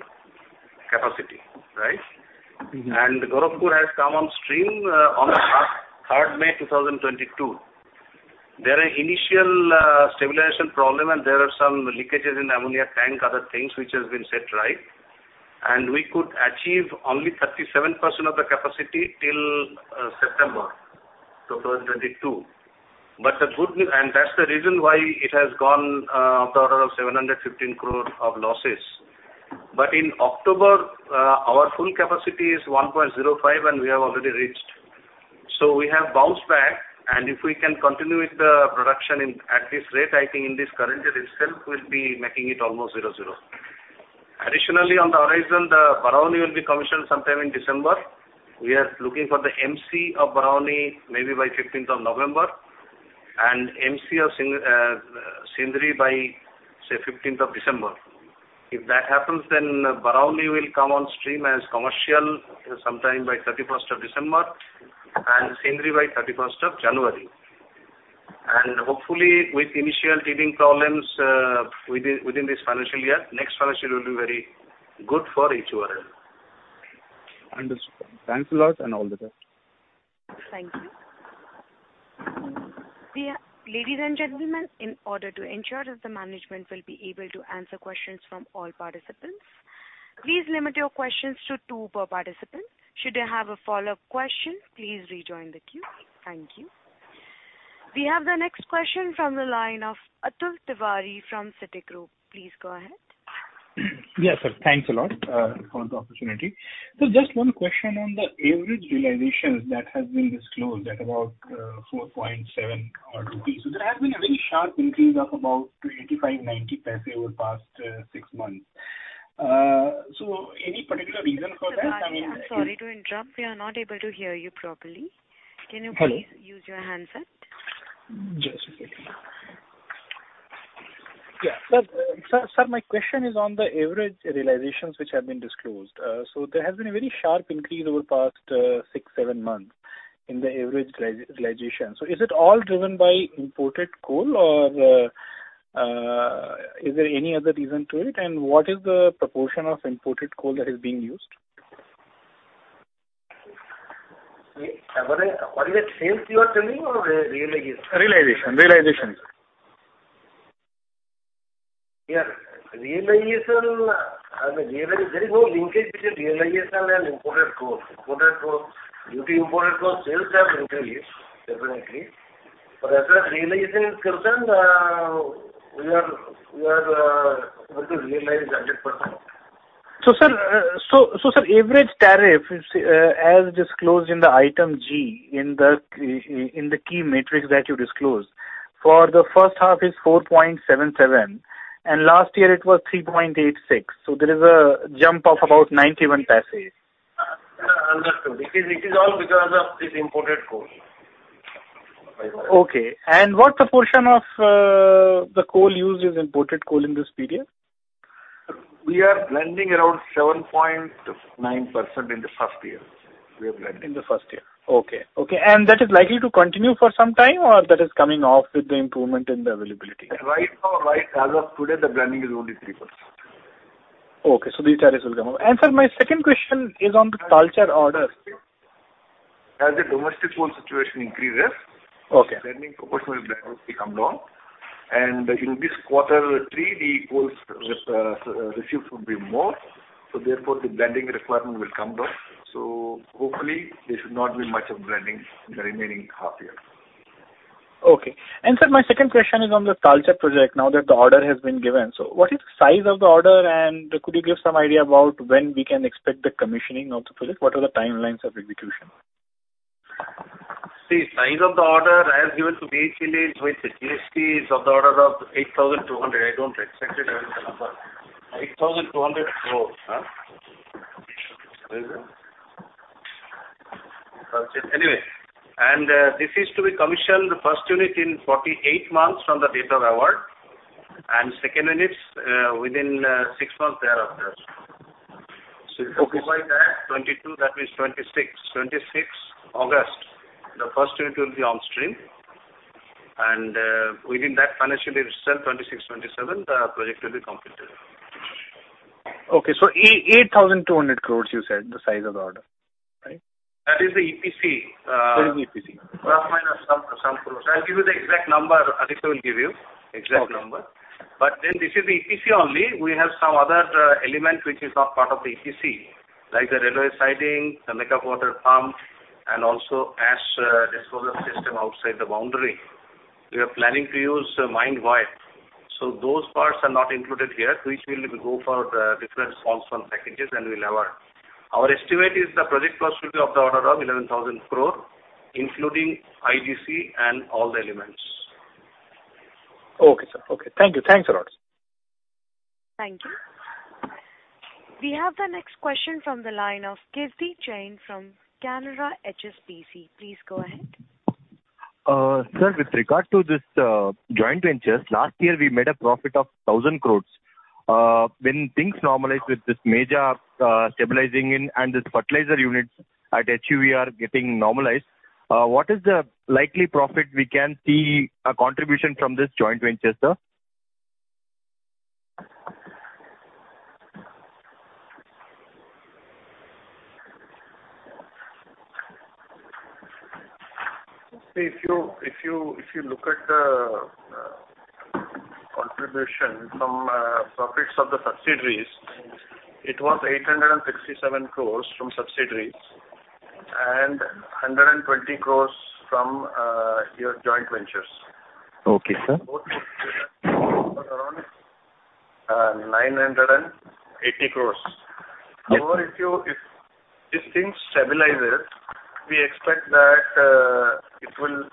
Speaker 3: capacity, right?
Speaker 8: Mm-hmm.
Speaker 3: Gorakhpur has come on stream on third May 2022. There are initial stabilization problem, and there are some leakages in ammonia tank, other things which has been set right. We could achieve only 37% of the capacity till September 2022. The good news is that's the reason why it has gone of the order of 715 crore of losses. In October, our full capacity is 1.05, and we have already reached. We have bounced back, and if we can continue with the production in at this rate, I think in this current year itself, we'll be making it almost zero. Additionally, on the horizon, the Barauni will be commissioned sometime in December. We are looking for the MC of Barauni maybe by 15th of November, and MC of Sindri by, say, 15th of December. If that happens, then Barauni will come on stream as commercial sometime by 31st of December and Sindri by 31st of January. Hopefully with initial teething problems, within this financial year, next financial year will be very good for HURL.
Speaker 10: Understood. Thanks a lot, and all the best.
Speaker 1: Thank you. Ladies and gentlemen, in order to ensure that the management will be able to answer questions from all participants, please limit your questions to two per participant. Should you have a follow-up question, please rejoin the queue. Thank you. We have the next question from the line of Atul Tiwari from Citigroup. Please go ahead.
Speaker 10: Yes, sir. Thanks a lot for the opportunity. Just one question on the average realizations that has been disclosed at about 4.7 or so. There has been a very sharp increase of about 0.85-0.90 over the past six months. Any particular reason for that? I mean.
Speaker 1: Atul, I'm sorry to interrupt. We are not able to hear you properly.
Speaker 10: Hello.
Speaker 1: Can you please use your handset?
Speaker 10: Sir, my question is on the average realizations which have been disclosed. There has been a very sharp increase over the past six-seven months in the average realization. Is it all driven by imported coal or is there any other reason to it? And what is the proportion of imported coal that is being used?
Speaker 3: Wait. What is it? Sales you are telling or realization?
Speaker 10: Realization.
Speaker 3: Yeah. Realization, I mean, there is no linkage between realization and imported coal. Imported coal, duty imported coal sales have increased definitely. But as far as realization is concerned, we are, we realize 100%.
Speaker 10: Sir, average tariff as disclosed in Item G in the key metrics that you disclosed for the first half is 4.77, and last year it was 3.86. There is a jump of about 0.91.
Speaker 3: Understood. It is all because of this imported coal.
Speaker 10: Okay. What proportion of the coal used is imported coal in this period?
Speaker 3: We are blending around 7.9% in the first year. We are blending.
Speaker 10: In the first year. Okay, and that is likely to continue for some time, or that is coming off with the improvement in the availability?
Speaker 3: Right now, right as of today, the blending is only 3%.
Speaker 10: Okay. These tariffs will come up. Sir, my second question is on the Talcher order.
Speaker 3: As the domestic coal situation increases.
Speaker 10: Okay.
Speaker 3: The blending proportion will gradually come down. In this quarter three, the coals received will be more, so therefore the blending requirement will come down. Hopefully there should not be much of blending in the remaining half year.
Speaker 10: Okay. Sir, my second question is on the Talcher project, now that the order has been given. What is the size of the order? Could you give some idea about when we can expect the commissioning of the project? What are the timelines of execution?
Speaker 3: The size of the order as given to BHEL with GST is of the order of 8,200 crore. I don't exactly have the number. 8,200 crore, huh? Is it? Anyway, this is to be commissioned the first unit in 48 months from the date of award, and second units within 6 months thereafter.
Speaker 10: Okay.
Speaker 3: If you provide that 22, that means 26. 26th August, the first unit will be on stream. Within that financial year itself, 2026, 2027, the project will be completed.
Speaker 10: Okay. 8,200 crore you said the size of the order, right?
Speaker 3: That is the EPC.
Speaker 10: That is the EPC.
Speaker 3: ± some INR crores. I'll give you the exact number. Aditi will give you exact number.
Speaker 10: Okay.
Speaker 3: This is the EPC only. We have some other element which is not part of the EPC, like the railway siding, the makeup water pump, and also ash disposal system outside the boundary. We are planning to use mine wide. Those parts are not included here, which will go for the different calls from packages and we'll award. Our estimate is the project cost will be of the order of 11,000 crore, including IDC and all the elements.
Speaker 10: Okay, sir. Okay. Thank you. Thanks a lot.
Speaker 1: Thank you. We have the next question from the line of Kriti Jain from Canara HSBC Life Insurance. Please go ahead.
Speaker 11: Sir, with regard to this joint ventures, last year we made a profit of 1,000 crores. When things normalize with this major stabilizing in and this fertilizer units at HURL are getting normalized, what is the likely profit we can see a contribution from this joint venture, sir?
Speaker 3: See, if you look at the contribution from profits of the subsidiaries, it was 867 crores from subsidiaries and 120 crores from your joint ventures.
Speaker 11: Okay, sir.
Speaker 3: Both put together around INR 980 crores. However, if this thing stabilizes, we expect that it will.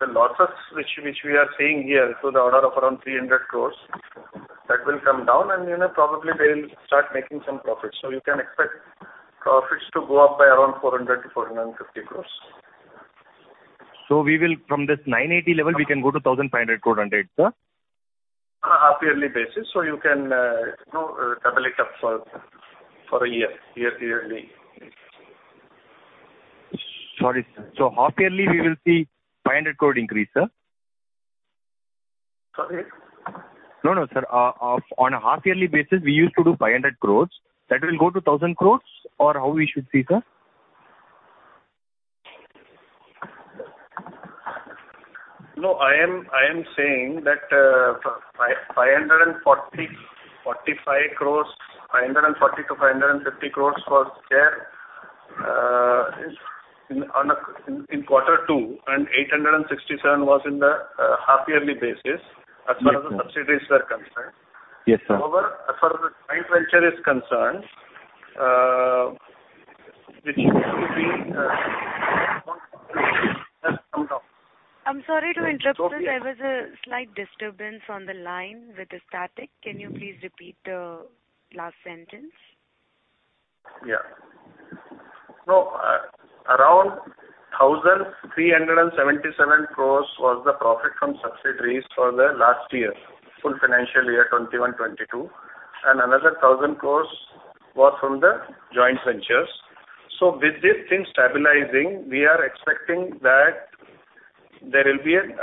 Speaker 3: The losses which we are seeing here to the order of around 300 crores, that will come down and probably they'll start making some profits. You can expect profits to go up by around 400-450 crores.
Speaker 11: We will, from this 980 level, we can go to 1,500 crore run rate, sir?
Speaker 3: Half-yearly basis, so you can, you know, double it up for a year to yearly.
Speaker 11: Sorry, sir. Half-yearly we will see 500 crore increase, sir?
Speaker 3: Sorry.
Speaker 11: No, no, sir. On a half-yearly basis, we used to do 500 crores. That will go to 1,000 crores or how we should see, sir?
Speaker 3: No, I am saying that 545 crore, 540 crore-550 crore was there in quarter two, and 867 crore was in the half-yearly basis.
Speaker 11: Mm-hmm.
Speaker 3: As far as the subsidies are concerned.
Speaker 11: Yes, sir.
Speaker 3: However, as far as the joint venture is concerned, which used to be, has come down.
Speaker 1: I'm sorry to interrupt you. There was a slight disturbance on the line with the static. Can you please repeat the last sentence?
Speaker 3: Yeah. No, around 1,377 crores was the profit from subsidiaries for the last year, full financial year 2021-2022, and another 1,000 crores was from the joint ventures. With these things stabilizing, we are expecting that there will be an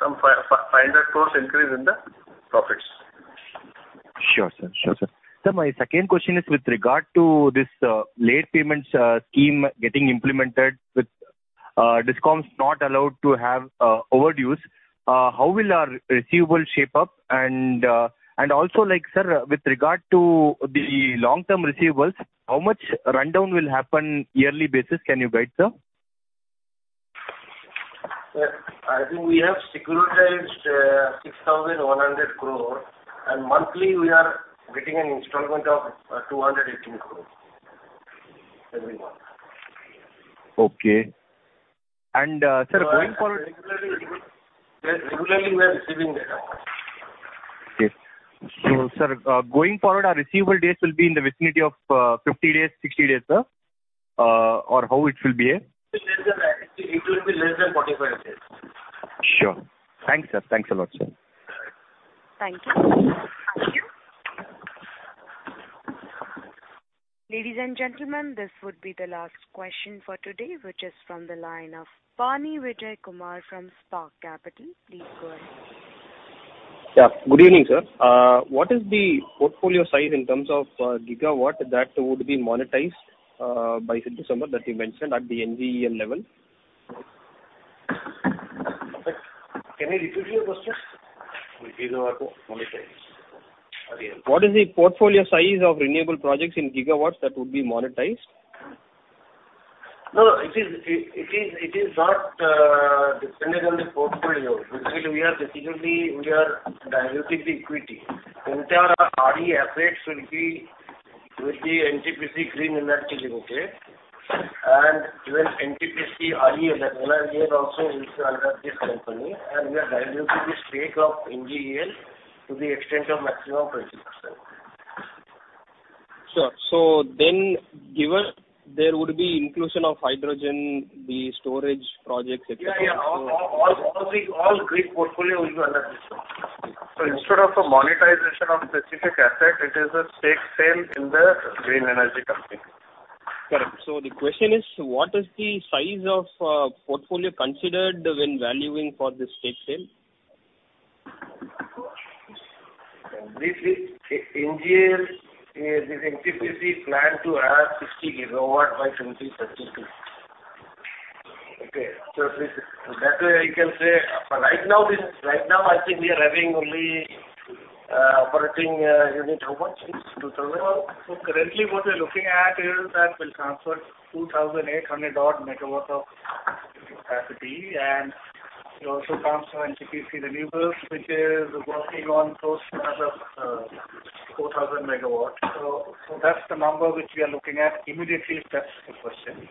Speaker 3: some 500 crores increase in the profits.
Speaker 11: Sure, sir. Sir, my second question is with regard to this late payments scheme getting implemented with DISCOMs not allowed to have overdues. How will our receivable shape up and also like, sir, with regard to the long-term receivables, how much rundown will happen yearly basis, can you guide, sir?
Speaker 3: Sir, I think we have securitized 6,100 crore and monthly we are getting an installment of 218 crore every month.
Speaker 11: Okay. Sir, going forward.
Speaker 3: Regularly we are receiving that.
Speaker 11: Okay. Sir, going forward our receivable days will be in the vicinity of 50 days, 60 days, sir? Or how it will be?
Speaker 3: It will be less than that. It will be less than 45 days.
Speaker 11: Sure. Thanks, sir. Thanks a lot, sir.
Speaker 1: Thank you. Ladies and gentlemen, this would be the last question for today, which is from the line of K.P.N. Vijay Kumar from Spark Capital. Please go ahead.
Speaker 12: Yeah. Good evening, sir. What is the portfolio size in terms of gigawatt that would be monetized by December that you mentioned at the NGEL level?
Speaker 3: Can I repeat your question?
Speaker 11: Gigawatt to monetize NGEL.
Speaker 12: What is the portfolio size of renewable projects in gigawatts that would be monetized?
Speaker 3: No, it is not dependent on the portfolio. It will be. We are basically diluting the equity. Entire RE assets will be NTPC Green Energy Limited. Even NTPC REL, NGEL also will be under this company. We are diluting the stake of NGEL to the extent of maximum 20%.
Speaker 12: Sure. Given there would be inclusion of hydrogen, the storage projects, et cetera, et cetera.
Speaker 3: Yeah. All grid portfolio will be under this, sir.
Speaker 12: Instead of a monetization of specific asset, it is a stake sale in the green energy company. Correct. The question is what is the size of portfolio considered when valuing for this stake sale?
Speaker 3: NGEL is NTPC plan to add 60 gigawatts by 2030. This is that way you can say. Right now I think we are having only operating unit. How much is 2,000?
Speaker 12: Currently what we're looking at is that we'll transfer 2,800-odd MW of capacity and it also comes from NTPC Renewables, which is working on close to another 4,000 MW. That's the number which we are looking at immediately if that's the question.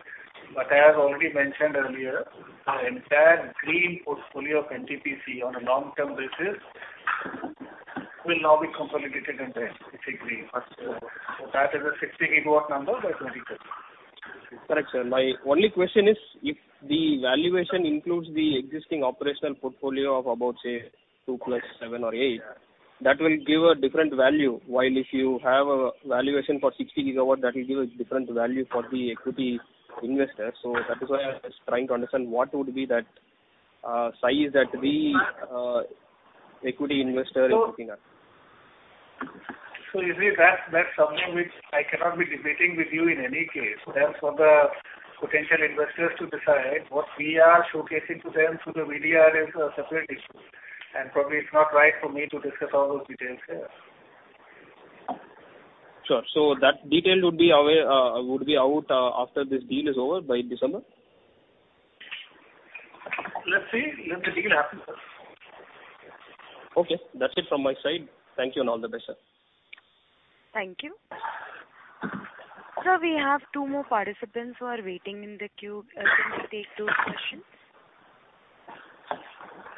Speaker 12: I have already mentioned earlier, our entire green portfolio of NTPC on a long-term basis will now be consolidated under NTPC Green. That is a 60 GW number by 2030. Correct, sir. My only question is if the valuation includes the existing operational portfolio of about, say, two + seven or eight.
Speaker 3: Yeah.
Speaker 12: That will give a different value. While if you have a valuation for 60 gigawatt, that will give a different value for the equity investor. That is why I was trying to understand what would be that size that the equity investor is looking at.
Speaker 3: Usually that's something which I cannot be debating with you in any case. That's for the potential investors to decide. What we are showcasing to them through the VDR is a separate issue, and probably it's not right for me to discuss all those details here.
Speaker 12: Sure. That detail would be out after this deal is over by December?
Speaker 3: Let's see. Let the deal happen first.
Speaker 12: Okay. That's it from my side. Thank you and all the best, sir.
Speaker 1: Thank you. Sir, we have two more participants who are waiting in the queue. Can we take those questions?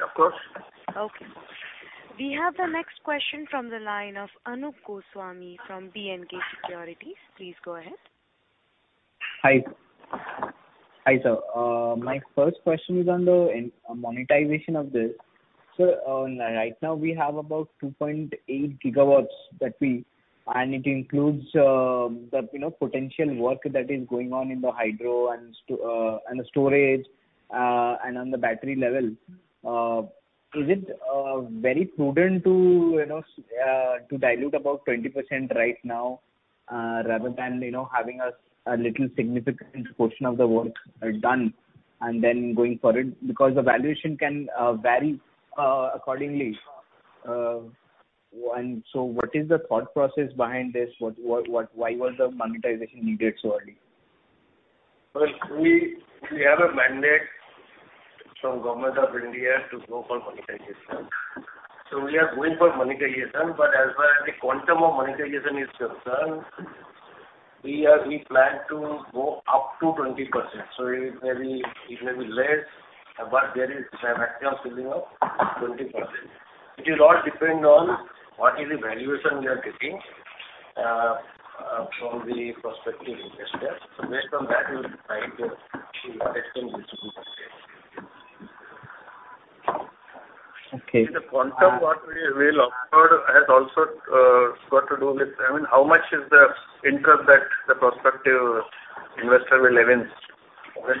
Speaker 3: Of course.
Speaker 1: Okay. We have the next question from the line of Anupam Goswami from B&K Securities. Please go ahead.
Speaker 13: Hi. Hi, sir. My first question is on the monetization of this. Right now we have about 2.8 gigawatts that we... It includes, you know, the potential work that is going on in the hydro and STO, and the storage, and on the battery level. Is it very prudent to, you know, to dilute about 20% right now, rather than, you know, having a little significant portion of the work done and then going for it? Because the valuation can vary accordingly. What is the thought process behind this? What? Why was the monetization needed so early?
Speaker 3: Well, we have a mandate from Government of India to go for monetization. We are going for monetization. As far as the quantum of monetization is concerned, we plan to go up to 20%. It may be less, but there is a maximum ceiling of 20%. It will all depend on what is the valuation we are getting from the prospective investors. Based on that, we will decide the extent which we will proceed.
Speaker 13: Okay.
Speaker 3: The quantum what we will offer has also got to do with, I mean, how much is the interest that the prospective investor will invest. We'll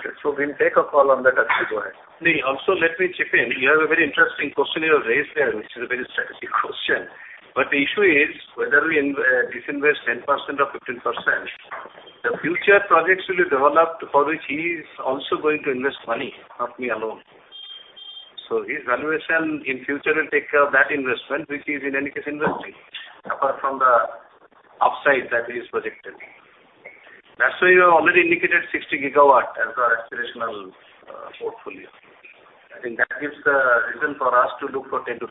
Speaker 3: take a call on that as we go ahead. Also let me chip in. You have a very interesting question you have raised there, which is a very strategic question. The issue is whether we disinvest 10% or 15%, the future projects will be developed for which he is also going to invest money, not me alone. His valuation in future will take care of that investment, which he is in any case investing, apart from the upside that is projected. That's why we have already indicated 60 gigawatt as our aspirational portfolio. I think that gives the reason for us to look for 10%-20%.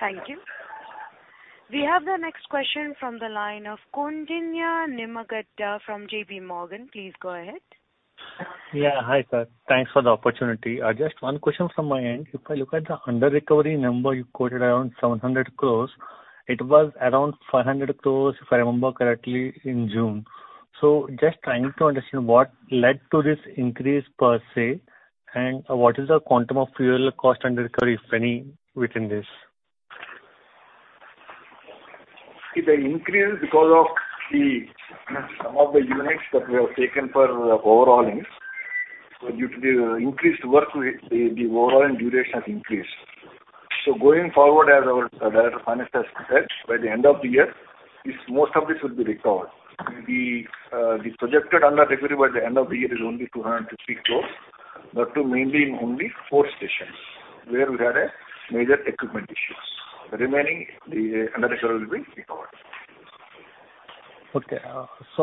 Speaker 1: Thank you. We have the next question from the line of Kondina Nimmagadda from J.P. Morgan. Please go ahead.
Speaker 14: Yeah. Hi, sir. Thanks for the opportunity. Just one question from my end. If I look at the under-recovery number you quoted around 700 crore, it was around 400 crore, if I remember correctly, in June. Just trying to understand what led to this increase per se, and what is the quantum of fuel cost under-recovery, if any, within this.
Speaker 3: See, the increase is because of some of the units that we have taken for overhauling. Due to the increased work, the overall duration has increased. Going forward, as our director of finance has said, by the end of the year, most of this will be recovered. The projected under-recovery by the end of the year is only 250 crores. That too mainly in only four stations where we had major equipment issues. The remaining under-recovery will be recovered.
Speaker 14: Okay.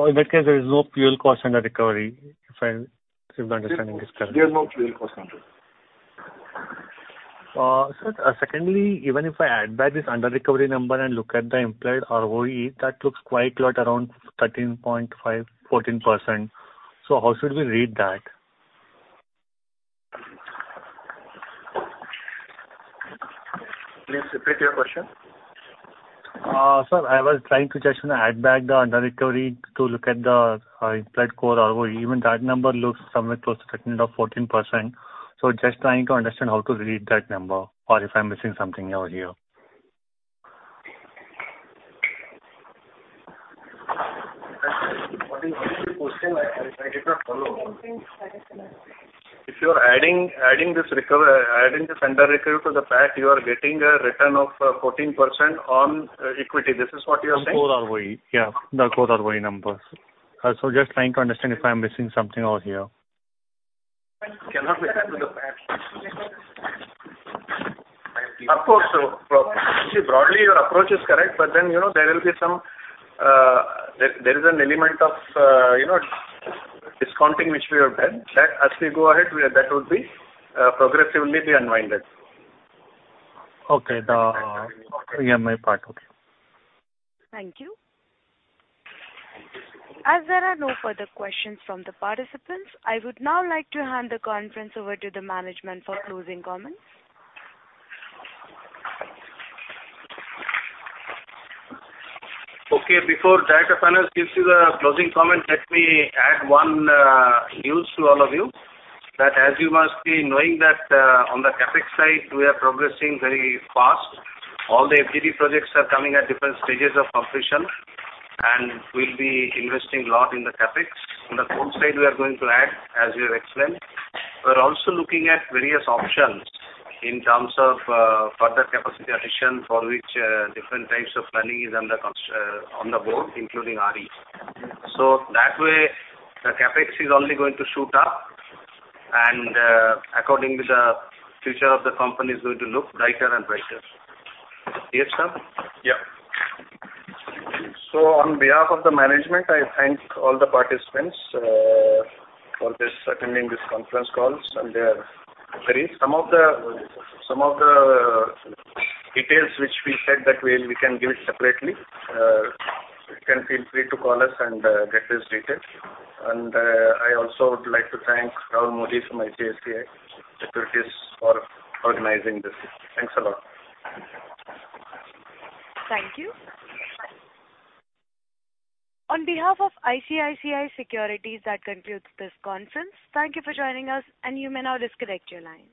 Speaker 14: In that case, there is no fuel cost under-recovery, if my understanding is correct.
Speaker 3: There's no fuel cost under-recovery.
Speaker 14: sir, secondly, even if I add back this under-recovery number and look at the implied ROE, that looks quite a lot, around 13.5%-14%. How should we read that?
Speaker 3: Please repeat your question.
Speaker 14: Sir, I was trying to just add back the under-recovery to look at the implied core ROE. Even that number looks somewhere close to 13% or 14%. Just trying to understand how to read that number or if I'm missing something out here.
Speaker 3: What is the question? I did not follow.
Speaker 1: Can you please clarify, sir?
Speaker 3: If you are adding this under-recovery to the PAT, you are getting a return of 14% on equity. This is what you are saying?
Speaker 14: On core ROE, yeah. The core ROE number. Just trying to understand if I'm missing something out here.
Speaker 3: Cannot be added to the PAT. Of course. See, broadly, your approach is correct, but then, you know, there will be some. There is an element of, you know, discounting which we have done. That, as we go ahead, that would be progressively be unwound.
Speaker 14: Okay. Yeah, my part. Okay.
Speaker 1: Thank you. As there are no further questions from the participants, I would now like to hand the conference over to the management for closing comments.
Speaker 3: Okay. Before Director Finance gives you the closing comment, let me add one news to all of you, that as you must be knowing that, on the CapEx side, we are progressing very fast. All the FGD projects are coming at different stages of completion, and we'll be investing lot in the CapEx. On the core side, we are going to add, as we have explained. We're also looking at various options in terms of, further capacity addition for which, different types of planning is on the board, including RE. That way, the CapEx is only going to shoot up, and, accordingly the future of the company is going to look brighter and brighter. DF, sir? Yeah. On behalf of the management, I thank all the participants, for this, attending this conference call and their queries. Some of the details which we said that we can give it separately. You can feel free to call us and get those details. I also would like to thank Rahul Modi from ICICI Securities for organizing this. Thanks a lot.
Speaker 1: Thank you. On behalf of ICICI Securities, that concludes this conference. Thank you for joining us, and you may now disconnect your lines.